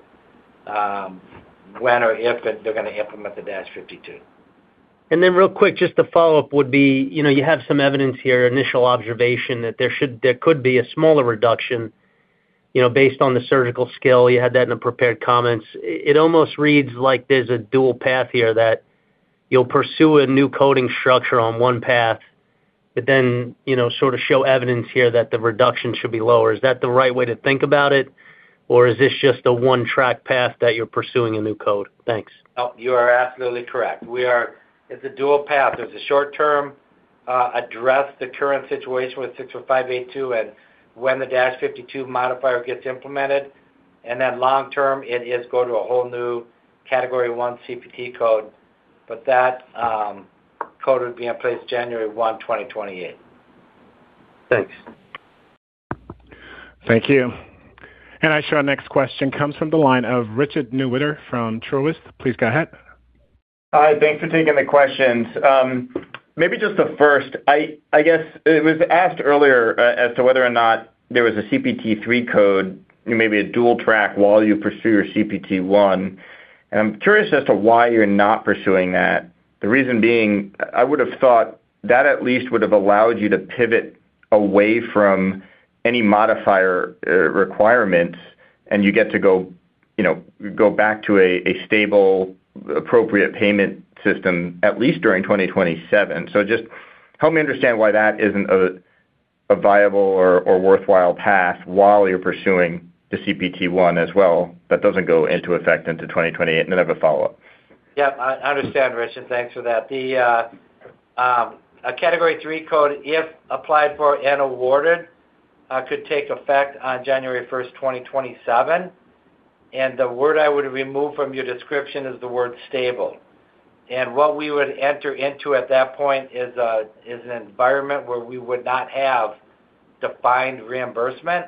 Speaker 3: when or if they're going to implement the -52. And then real quick, just a follow-up would be, you have some evidence here, initial observation, that there could be a smaller reduction based on the surgical skill.
Speaker 12: You had that in the prepared comments. It almost reads like there's a dual path here that you'll pursue a new coding structure on one path but then sort of show evidence here that the reduction should be lower. Is that the right way to think about it, or is this just a one-track path that you're pursuing a new code? Thanks.
Speaker 3: No, you are absolutely correct. It's a dual path. There's a short-term, address the current situation with 64582 and when the -52 modifier gets implemented, and then, long-term, it is go to a whole new category one CPT code. But that code would be in place January 1, 2028.
Speaker 12: Thanks.
Speaker 1: Thank you. And our next question comes from the line of Richard Newitter from Truist. Please go ahead.
Speaker 13: Hi. Thanks for taking the questions. Maybe just the first, I guess, it was asked earlier as to whether or not there was a CPT3 code, maybe a dual track, while you pursue your CPT1. And I'm curious as to why you're not pursuing that. The reason being, I would have thought that, at least, would have allowed you to pivot away from any modifier requirements, and you get to go back to a stable, appropriate payment system, at least during 2027. So just help me understand why that isn't a viable or worthwhile path while you're pursuing the Category I as well that doesn't go into effect until 2028. And then I have a follow-up.
Speaker 3: Yep. I understand, Richard. Thanks for that. A category three code, if applied for and awarded, could take effect on January 1st, 2027. And the word I would remove from your description is the word stable. And what we would enter into at that point is an environment where we would not have defined reimbursement,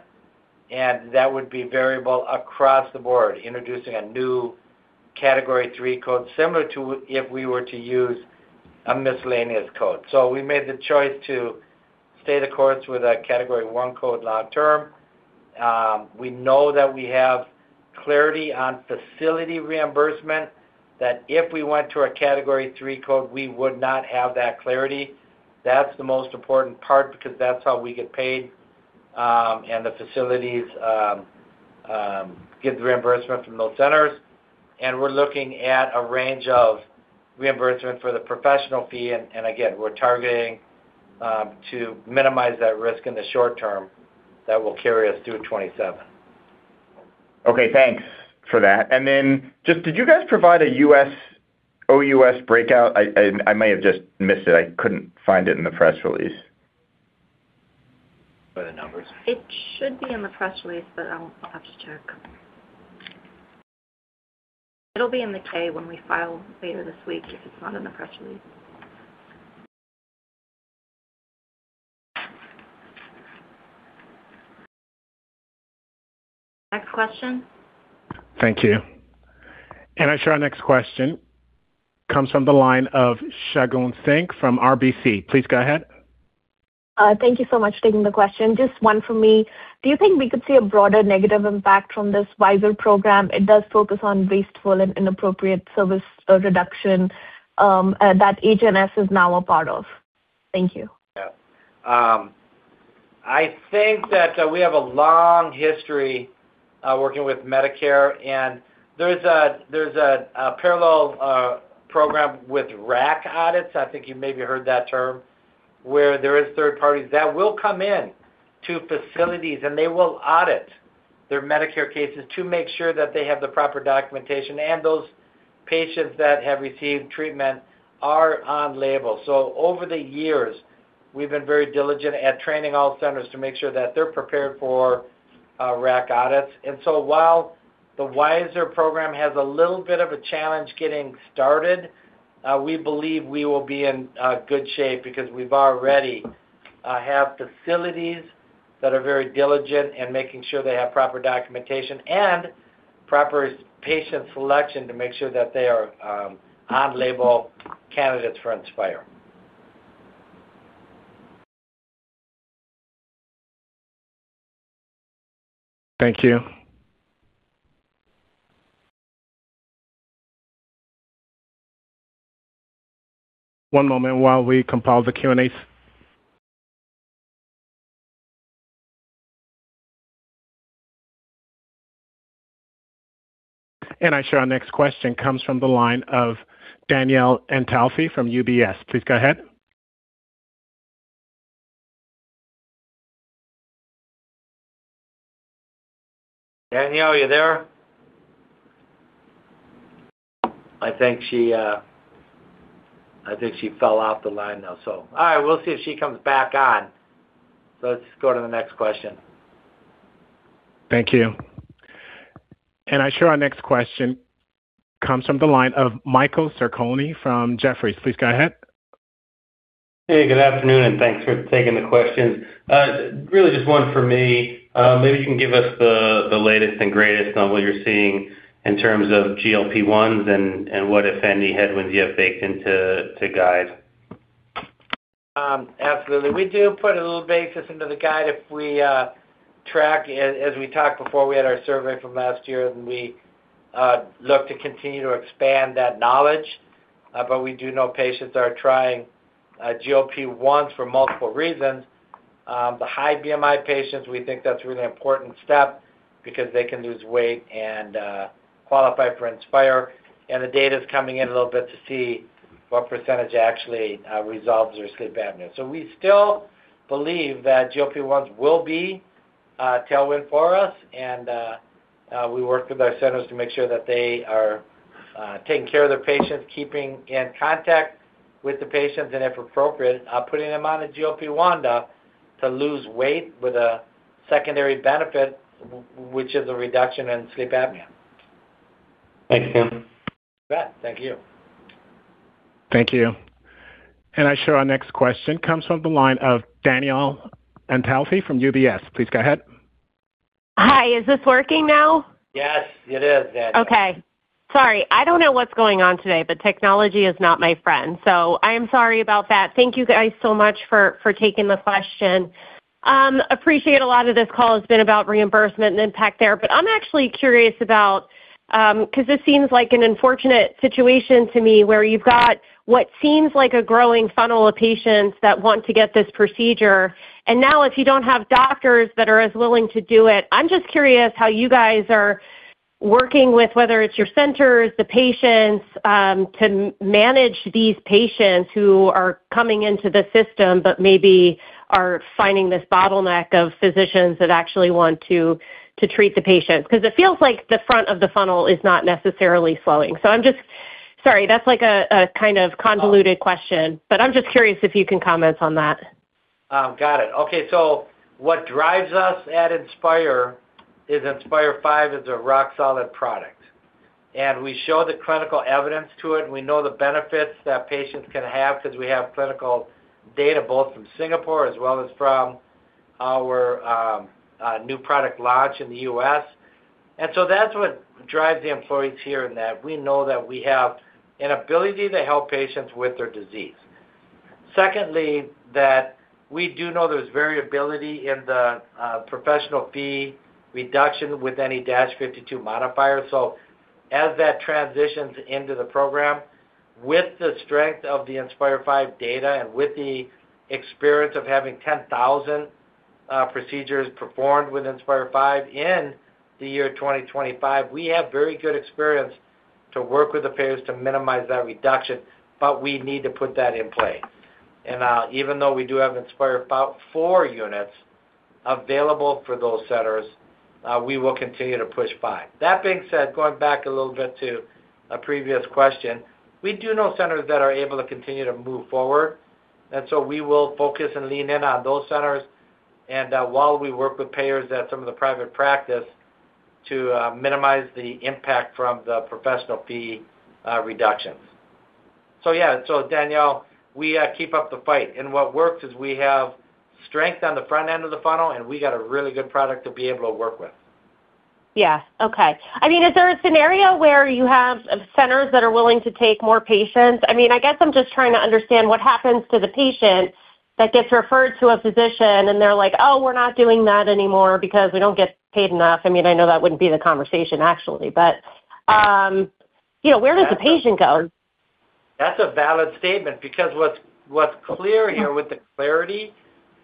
Speaker 3: and that would be variable across the board, introducing a new category three code similar to if we were to use a miscellaneous code. So we made the choice to stay the course with a category one code long-term. We know that we have clarity on facility reimbursement, that if we went to a category three code, we would not have that clarity. That's the most important part because that's how we get paid, and the facilities get the reimbursement from those centers. And we're looking at a range of reimbursement for the professional fee. And again, we're targeting to minimize that risk in the short term that will carry us through 2027.
Speaker 13: Okay. Thanks for that. And then just did you guys provide a US/OUS breakout? I may have just missed it. I couldn't find it in the press release.
Speaker 3: For the numbers. It should be in the press release, but I'll have to check. It'll be in the K when we file later this week if it's not in the press release. Next question. Thank you.
Speaker 1: Our next question comes from the line of Shagun Singh from RBC. Please go ahead.
Speaker 14: Thank you so much for taking the question. Just one from me. Do you think we could see a broader negative impact from this WISeR program? It does focus on wasteful and inappropriate service reduction that HNS is now a part of. Thank you.
Speaker 3: Yeah. I think that we have a long history working with Medicare. And there's a parallel program with RAC audits. I think you maybe heard that term, where there are third parties that will come into facilities, and they will audit their Medicare cases to make sure that they have the proper documentation, and those patients that have received treatment are on label. So over the years, we've been very diligent at training all centers to make sure that they're prepared for RAC audits. And so while the WISeR program has a little bit of a challenge getting started, we believe we will be in good shape because we've already had facilities that are very diligent in making sure they have proper documentation and proper patient selection to make sure that they are on-label candidates for Inspire. Thank you. One moment while we compile the Q&As.
Speaker 1: And I show our next question comes from the line of Danielle Antalffy from UBS. Please go ahead. Danielle, are you there? I think she fell off the line now, so. All right. We'll see if she comes back on. So let's go to the next question. Thank you. And I show our next question comes from the line of Michael Sarcone from Jefferies. Please go ahead.
Speaker 15: Hey. Good afternoon, and thanks for taking the questions. Really, just one from me. Maybe you can give us the latest and greatest on what you're seeing in terms of GLP-1s and what, if any, headwinds you have baked into the guide.
Speaker 3: Absolutely. We do put a little basis into the guide if we track. As we talked before, we had our survey from last year, and we look to continue to expand that knowledge. But we do know patients are trying GLP-1s for multiple reasons. The high BMI patients, we think that's a really important step because they can lose weight and qualify for Inspire. And the data's coming in a little bit to see what percentage actually resolves their sleep apnea. So we still believe that GLP-1s will be a tailwind for us, and we work with our centers to make sure that they are taking care of their patients, keeping in contact with the patients, and, if appropriate, putting them on a GLP-1 to lose weight with a secondary benefit, which is a reduction in sleep apnea.
Speaker 15: Thanks, Tim.
Speaker 3: Good. Thank you.
Speaker 1: Thank you. And our next question comes from the line of Danielle Antalffy from UBS. Please go ahead. Hi. Is this working now?
Speaker 16: Yes, it is, Danielle. Okay. Sorry. I don't know what's going on today, but technology is not my friend, so I am sorry about that. Thank you guys so much for taking the question. Appreciate a lot of this call has been about reimbursement and impact there, but I'm actually curious about, because this seems like an unfortunate situation to me where you've got what seems like a growing funnel of patients that want to get this procedure. And now, if you don't have doctors that are as willing to do it, I'm just curious how you guys are working with whether it's your centers, the patients, to manage these patients who are coming into the system but maybe are finding this bottleneck of physicians that actually want to treat the patients because it feels like the front of the funnel is not necessarily slowing. So I'm just sorry. That's a kind of convoluted question, but I'm just curious if you can comment on that.
Speaker 3: Got it. Okay. So what drives us at Inspire is Inspire V is a rock-solid product, and we show the clinical evidence to it. We know the benefits that patients can have because we have clinical data both from Singapore as well as from our new product launch in the U.S. And so that's what drives the employees here in that we know that we have an ability to help patients with their disease. Secondly, that we do know there's variability in the professional fee reduction with any -52 modifier. So as that transitions into the program, with the strength of the Inspire V data and with the experience of having 10,000 procedures performed with Inspire V in the year 2025, we have very good experience to work with the payers to minimize that reduction, but we need to put that in play. Even though we do have Inspire IV units available for those centers, we will continue to push 5. That being said, going back a little bit to a previous question, we do know centers that are able to continue to move forward, and so we will focus and lean in on those centers while we work with payers at some of the private practice to minimize the impact from the professional fee reductions.
Speaker 4: Yeah. Danielle, we keep up the fight. What works is we have strength on the front end of the funnel, and we got a really good product to be able to work with.
Speaker 16: Yeah. Okay. I mean, is there a scenario where you have centers that are willing to take more patients? I mean, I guess I'm just trying to understand what happens to the patient that gets referred to a physician, and they're like, "Oh, we're not doing that anymore because we don't get paid enough." I mean, I know that wouldn't be the conversation, actually, but where does the patient go?
Speaker 3: That's a valid statement because what's clear here with the clarity,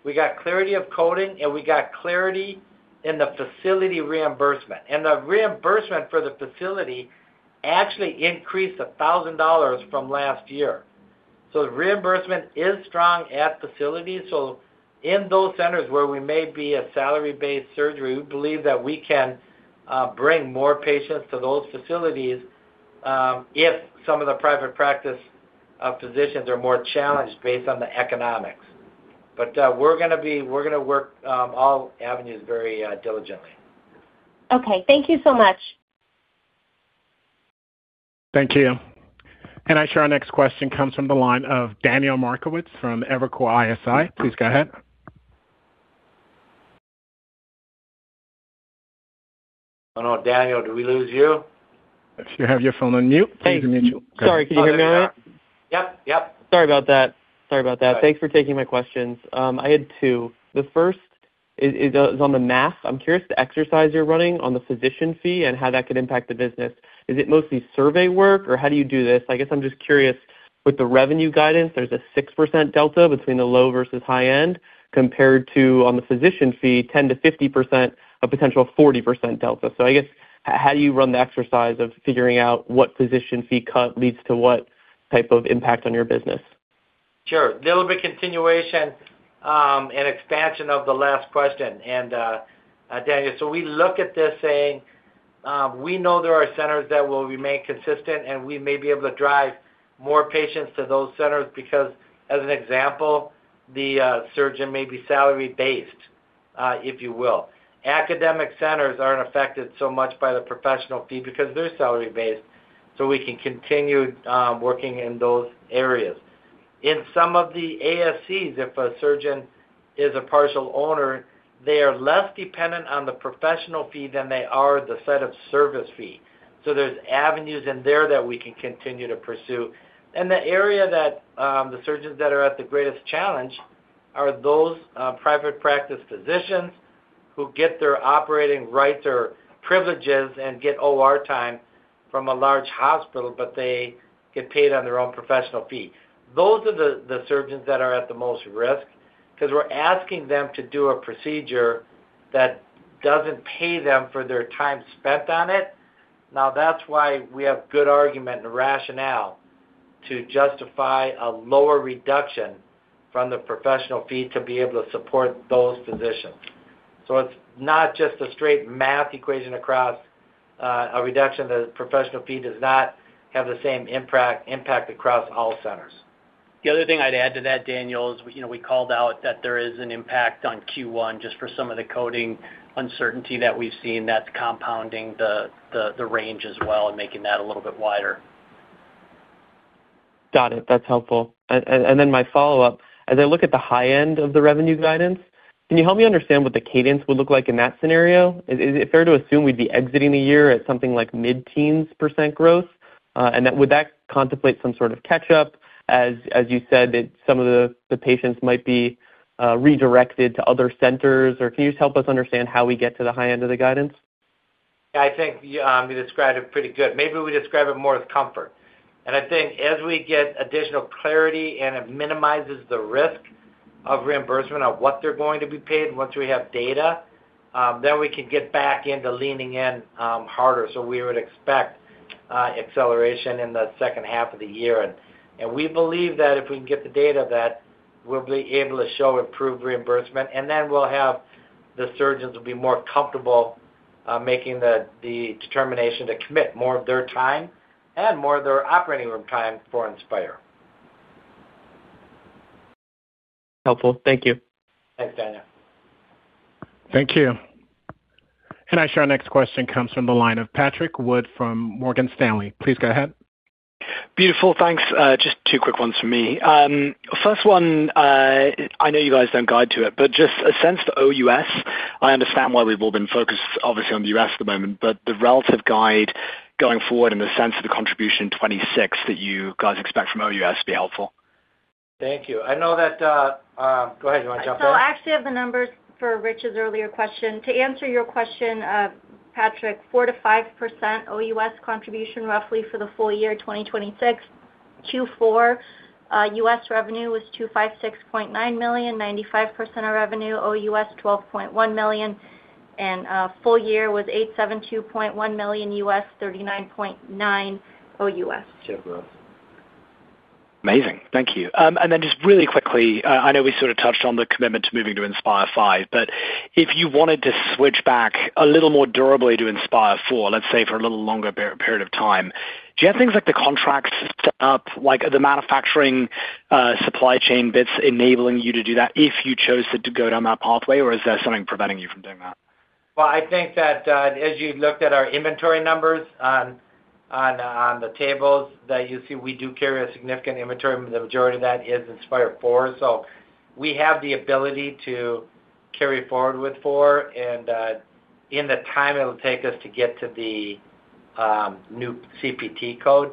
Speaker 3: we got clarity of coding, and we got clarity in the facility reimbursement. And the reimbursement for the facility actually increased $1,000 from last year. So the reimbursement is strong at facilities. So in those centers where we may be a salary-based surgery, we believe that we can bring more patients to those facilities if some of the private practice physicians are more challenged based on the economics. But we're going to work all avenues very diligently.
Speaker 16: Okay. Thank you so much.
Speaker 3: Thank you.
Speaker 1: Our next question comes from the line of Daniel Markovitz Please go ahead. Oh, no. Danielle, do we lose you? If you have your phone on mute, it's on mute.
Speaker 17: Hey. Sorry. Can you hear me all right? Yep. Yep. Sorry about that. Sorry about that. Thanks for taking my questions. I had two. The first is on the math. I'm curious the exercise you're running on the physician fee and how that could impact the business. Is it mostly survey work, or how do you do this? I guess I'm just curious, with the revenue guidance, there's a 6% delta between the low versus high end compared to, on the physician fee, 10%-50%, a potential 40% delta. So I guess how do you run the exercise of figuring out what physician fee cut leads to what type of impact on your business?
Speaker 3: Sure. There'll be continuation and expansion of the last question. And, Danielle, so we look at this saying we know there are centers that will remain consistent, and we may be able to drive more patients to those centers because, as an example, the surgeon may be salary-based, if you will. Academic centers aren't affected so much by the professional fee because they're salary-based, so we can continue working in those areas. In some of the ASCs, if a surgeon is a partial owner, they are less dependent on the professional fee than they are the set-of-service fee. So there's avenues in there that we can continue to pursue. The area that the surgeons that are at the greatest challenge are those private practice physicians who get their operating rights or privileges and get OR time from a large hospital, but they get paid on their own professional fee. Those are the surgeons that are at the most risk because we're asking them to do a procedure that doesn't pay them for their time spent on it. Now, that's why we have good argument and rationale to justify a lower reduction from the professional fee to be able to support those physicians. So it's not just a straight math equation across a reduction. The professional fee does not have the same impact across all centers.
Speaker 4: The other thing I'd add to that, Daniel, is we called out that there is an impact on Q1 just for some of the coding uncertainty that we've seen that's compounding the range as well and making that a little bit wider.
Speaker 17: Got it. That's helpful. And then my follow-up, as I look at the high end of the revenue guidance, can you help me understand what the cadence would look like in that scenario? Is it fair to assume we'd be exiting the year at something like mid-teens% growth? And would that contemplate some sort of catch-up, as you said, that some of the patients might be redirected to other centers? Or can you just help us understand how we get to the high end of the guidance?
Speaker 3: Yeah. I think you described it pretty good. Maybe we describe it more as comfort. I think as we get additional clarity and it minimizes the risk of reimbursement of what they're going to be paid once we have data, then we can get back into leaning in harder. We would expect acceleration in the second half of the year. We believe that if we can get the data of that, we'll be able to show improved reimbursement. Then the surgeons will be more comfortable making the determination to commit more of their time and more of their operating room time for Inspire.
Speaker 17: Helpful. Thank you.
Speaker 1: Thanks, Daniel. Thank you. Our next question comes from the line of Patrick Wood from Morgan Stanley. Please go ahead. Beautiful.
Speaker 18: Thanks. Just two quick ones from me. First one, I know you guys don't guide to it, but just a sense for OUS. I understand why we've all been focused, obviously, on the US at the moment, but the relative guide going forward and the sense of the contribution in 2026 that you guys expect from OUS would be helpful. Thank you. I know that go ahead. You want to jump in? So actually, I have the numbers for Rich's earlier question. To answer your question, Patrick, 4%-5% OUS contribution, roughly, for the full year 2026. Q4, US revenue was $256.9 million, 95% of revenue OUS, $12.1 million, and full year was $872.1 million US, $39.9 million OUS. Share growth. Amazing. Thank you. And then just really quickly, I know we sort of touched on the commitment to moving to Inspire V, but if you wanted to switch back a little more durably to Inspire IV, let's say, for a little longer period of time, do you have things like the contract set up, the manufacturing supply chain bits enabling you to do that if you chose to go down that pathway, or is there something preventing you from doing that?
Speaker 3: Well, I think that as you looked at our inventory numbers on the tables that you see, we do carry a significant inventory, and the majority of that is Inspire IV. So we have the ability to carry forward with 4, and in the time, it'll take us to get to the new CPT code.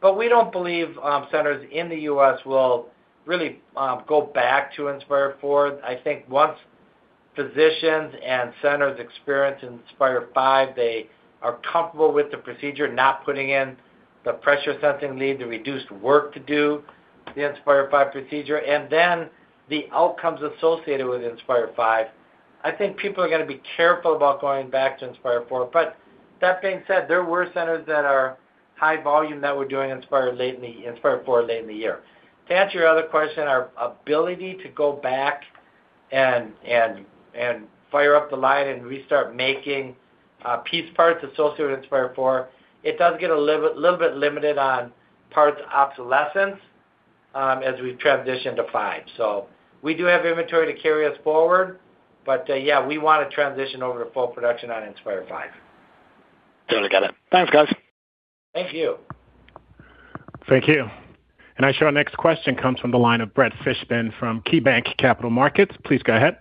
Speaker 3: But we don't believe centers in the U.S. will really go back to Inspire IV. I think once physicians and centers experience Inspire V, they are comfortable with the procedure, not putting in the pressure-sensing lead, the reduced work to do the Inspire V procedure, and then the outcomes associated with Inspire V, I think people are going to be careful about going back to Inspire IV. But that being said, there were centers that are high volume that were doing Inspire IV late in the year. To answer your other question, our ability to go back and fire up the line and restart making piece parts associated with Inspire IV, it does get a little bit limited on parts obsolescence as we transition to five. So we do have inventory to carry us forward, but yeah, we want to transition over to full production on Inspire V. Totally got it.
Speaker 18: Thanks, guys.
Speaker 3: Thank you.
Speaker 1: Thank you. And our next question comes from the line of Brett Fishbin from KeyBanc Capital Markets. Please go ahead.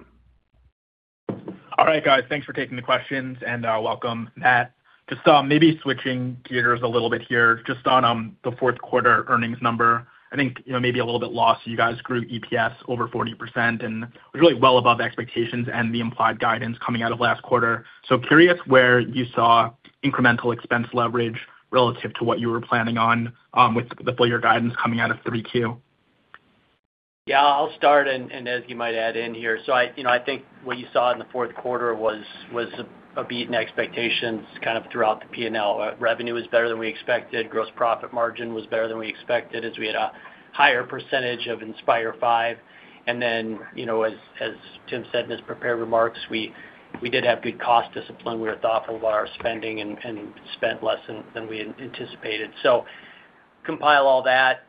Speaker 19: All right, guys. Thanks for taking the questions, and welcome, Matt. Just maybe switching gears a little bit here. Just on the fourth-quarter earnings number, I think maybe a little bit lost. You guys grew EPS over 40%, and it was really well above expectations and the implied guidance coming out of last quarter. So curious where you saw incremental expense leverage relative to what you were planning on with the full-year guidance coming out of 3Q. Yeah. I'll start, and as you might add in here, so I think what you saw in the fourth quarter was a beat in expectations kind of throughout the P&L. Revenue was better than we expected. Gross profit margin was better than we expected as we had a higher percentage of Inspire V.
Speaker 4: And then, as Tim said in his prepared remarks, we did have good cost discipline. We were thoughtful about our spending and spent less than we had anticipated. So compile all that.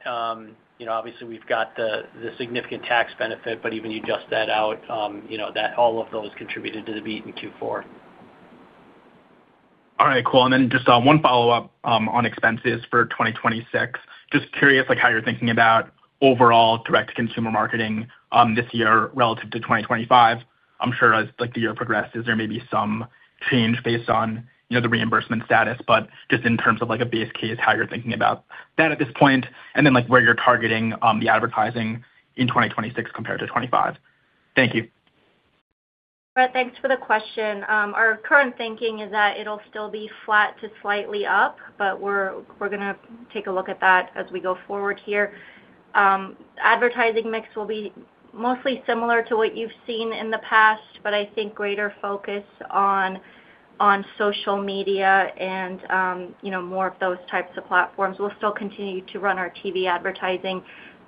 Speaker 4: Obviously, we've got the significant tax benefit, but even you adjust that out, all of those contributed to the beat in Q4. All right. Cool. And then just one follow-up on expenses for 2026. Just curious how you're thinking about overall direct-to-consumer marketing this year relative to 2025. I'm sure as the year progresses, there may be some change based on the reimbursement status, but just in terms of a base case, how you're thinking about that at this point and then where you're targeting the advertising in 2026 compared to 2025.
Speaker 18: Thank you.
Speaker 2: Brett, thanks for the question. Our current thinking is that it'll still be flat to slightly up, but we're going to take a look at that as we go forward here. Advertising mix will be mostly similar to what you've seen in the past, but I think greater focus on social media and more of those types of platforms. We'll still continue to run our TV advertising,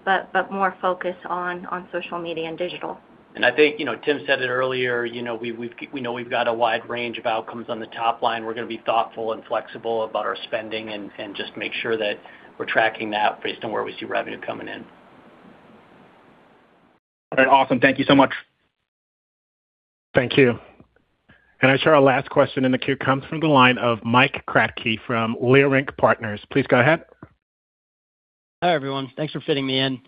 Speaker 2: but more focus on social media and digital. I think Tim said it earlier. We know we've got a wide range of outcomes on the top line. We're going to be thoughtful and flexible about our spending and just make sure that we're tracking that based on where we see revenue coming in.
Speaker 19: All right. Awesome. Thank you so much.
Speaker 1: Thank you. And I show our last question in the queue comes from the line of Mike Kratky from Leerink Partners. Please go ahead.
Speaker 20: Hi, everyone. Thanks for fitting me in.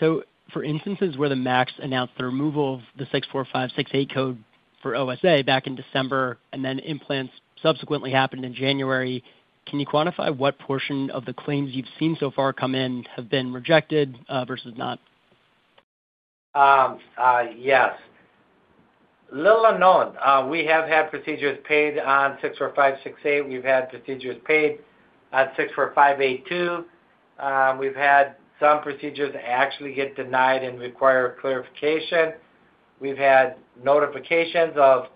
Speaker 20: So for instances where the MACs announced the removal of the 64568 code for OSA back in December and then implants subsequently happened in January, can you quantify what portion of the claims you've seen so far come in have been rejected versus not?
Speaker 3: Yes. Little unknown. We have had procedures paid on 64568. We've had procedures paid on 64582. We've had some procedures actually get denied and require clarification. We've had notifications of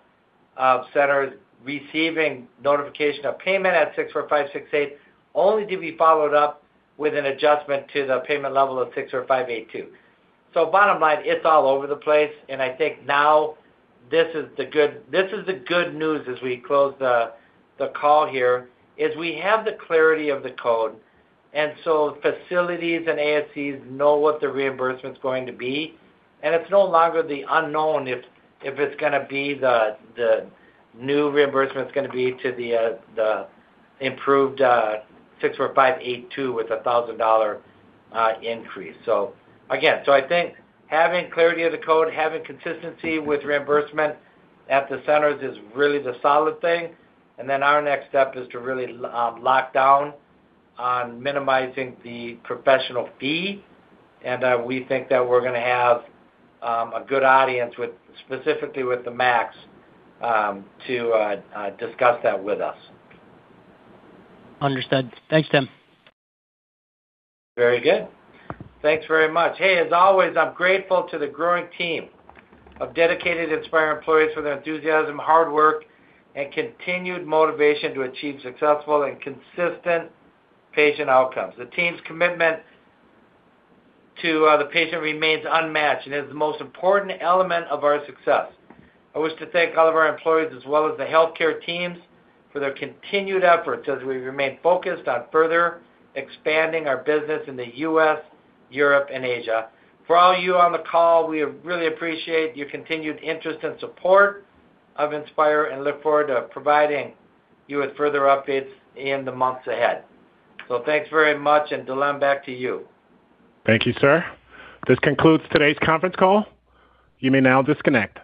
Speaker 3: centers receiving notification of payment at 64568 only to be followed up with an adjustment to the payment level of 64582. So bottom line, it's all over the place. And I think now this is the good this is the good news as we close the call here is we have the clarity of the code, and so facilities and ASCs know what the reimbursement's going to be. It's no longer the unknown if it's going to be the new reimbursement is going to be to the improved 64582 with a $1,000 increase. So again, so I think having clarity of the code, having consistency with reimbursement at the centers is really the solid thing. And then our next step is to really lock down on minimizing the professional fee. And we think that we're going to have a good audience, specifically with the MACS, to discuss that with us.
Speaker 20: Understood. Thanks, Tim.
Speaker 3: Very good. Thanks very much. Hey, as always, I'm grateful to the growing team of dedicated Inspire employees for their enthusiasm, hard work, and continued motivation to achieve successful and consistent patient outcomes. The team's commitment to the patient remains unmatched and is the most important element of our success. I wish to thank all of our employees as well as the healthcare teams for their continued efforts as we remain focused on further expanding our business in the US, Europe, and Asia. For all you on the call, we really appreciate your continued interest and support of Inspire and look forward to providing you with further updates in the months ahead. So thanks very much, and Dilem, back to you.
Speaker 1: Thank you, sir. This concludes today's conference call. You may now disconnect.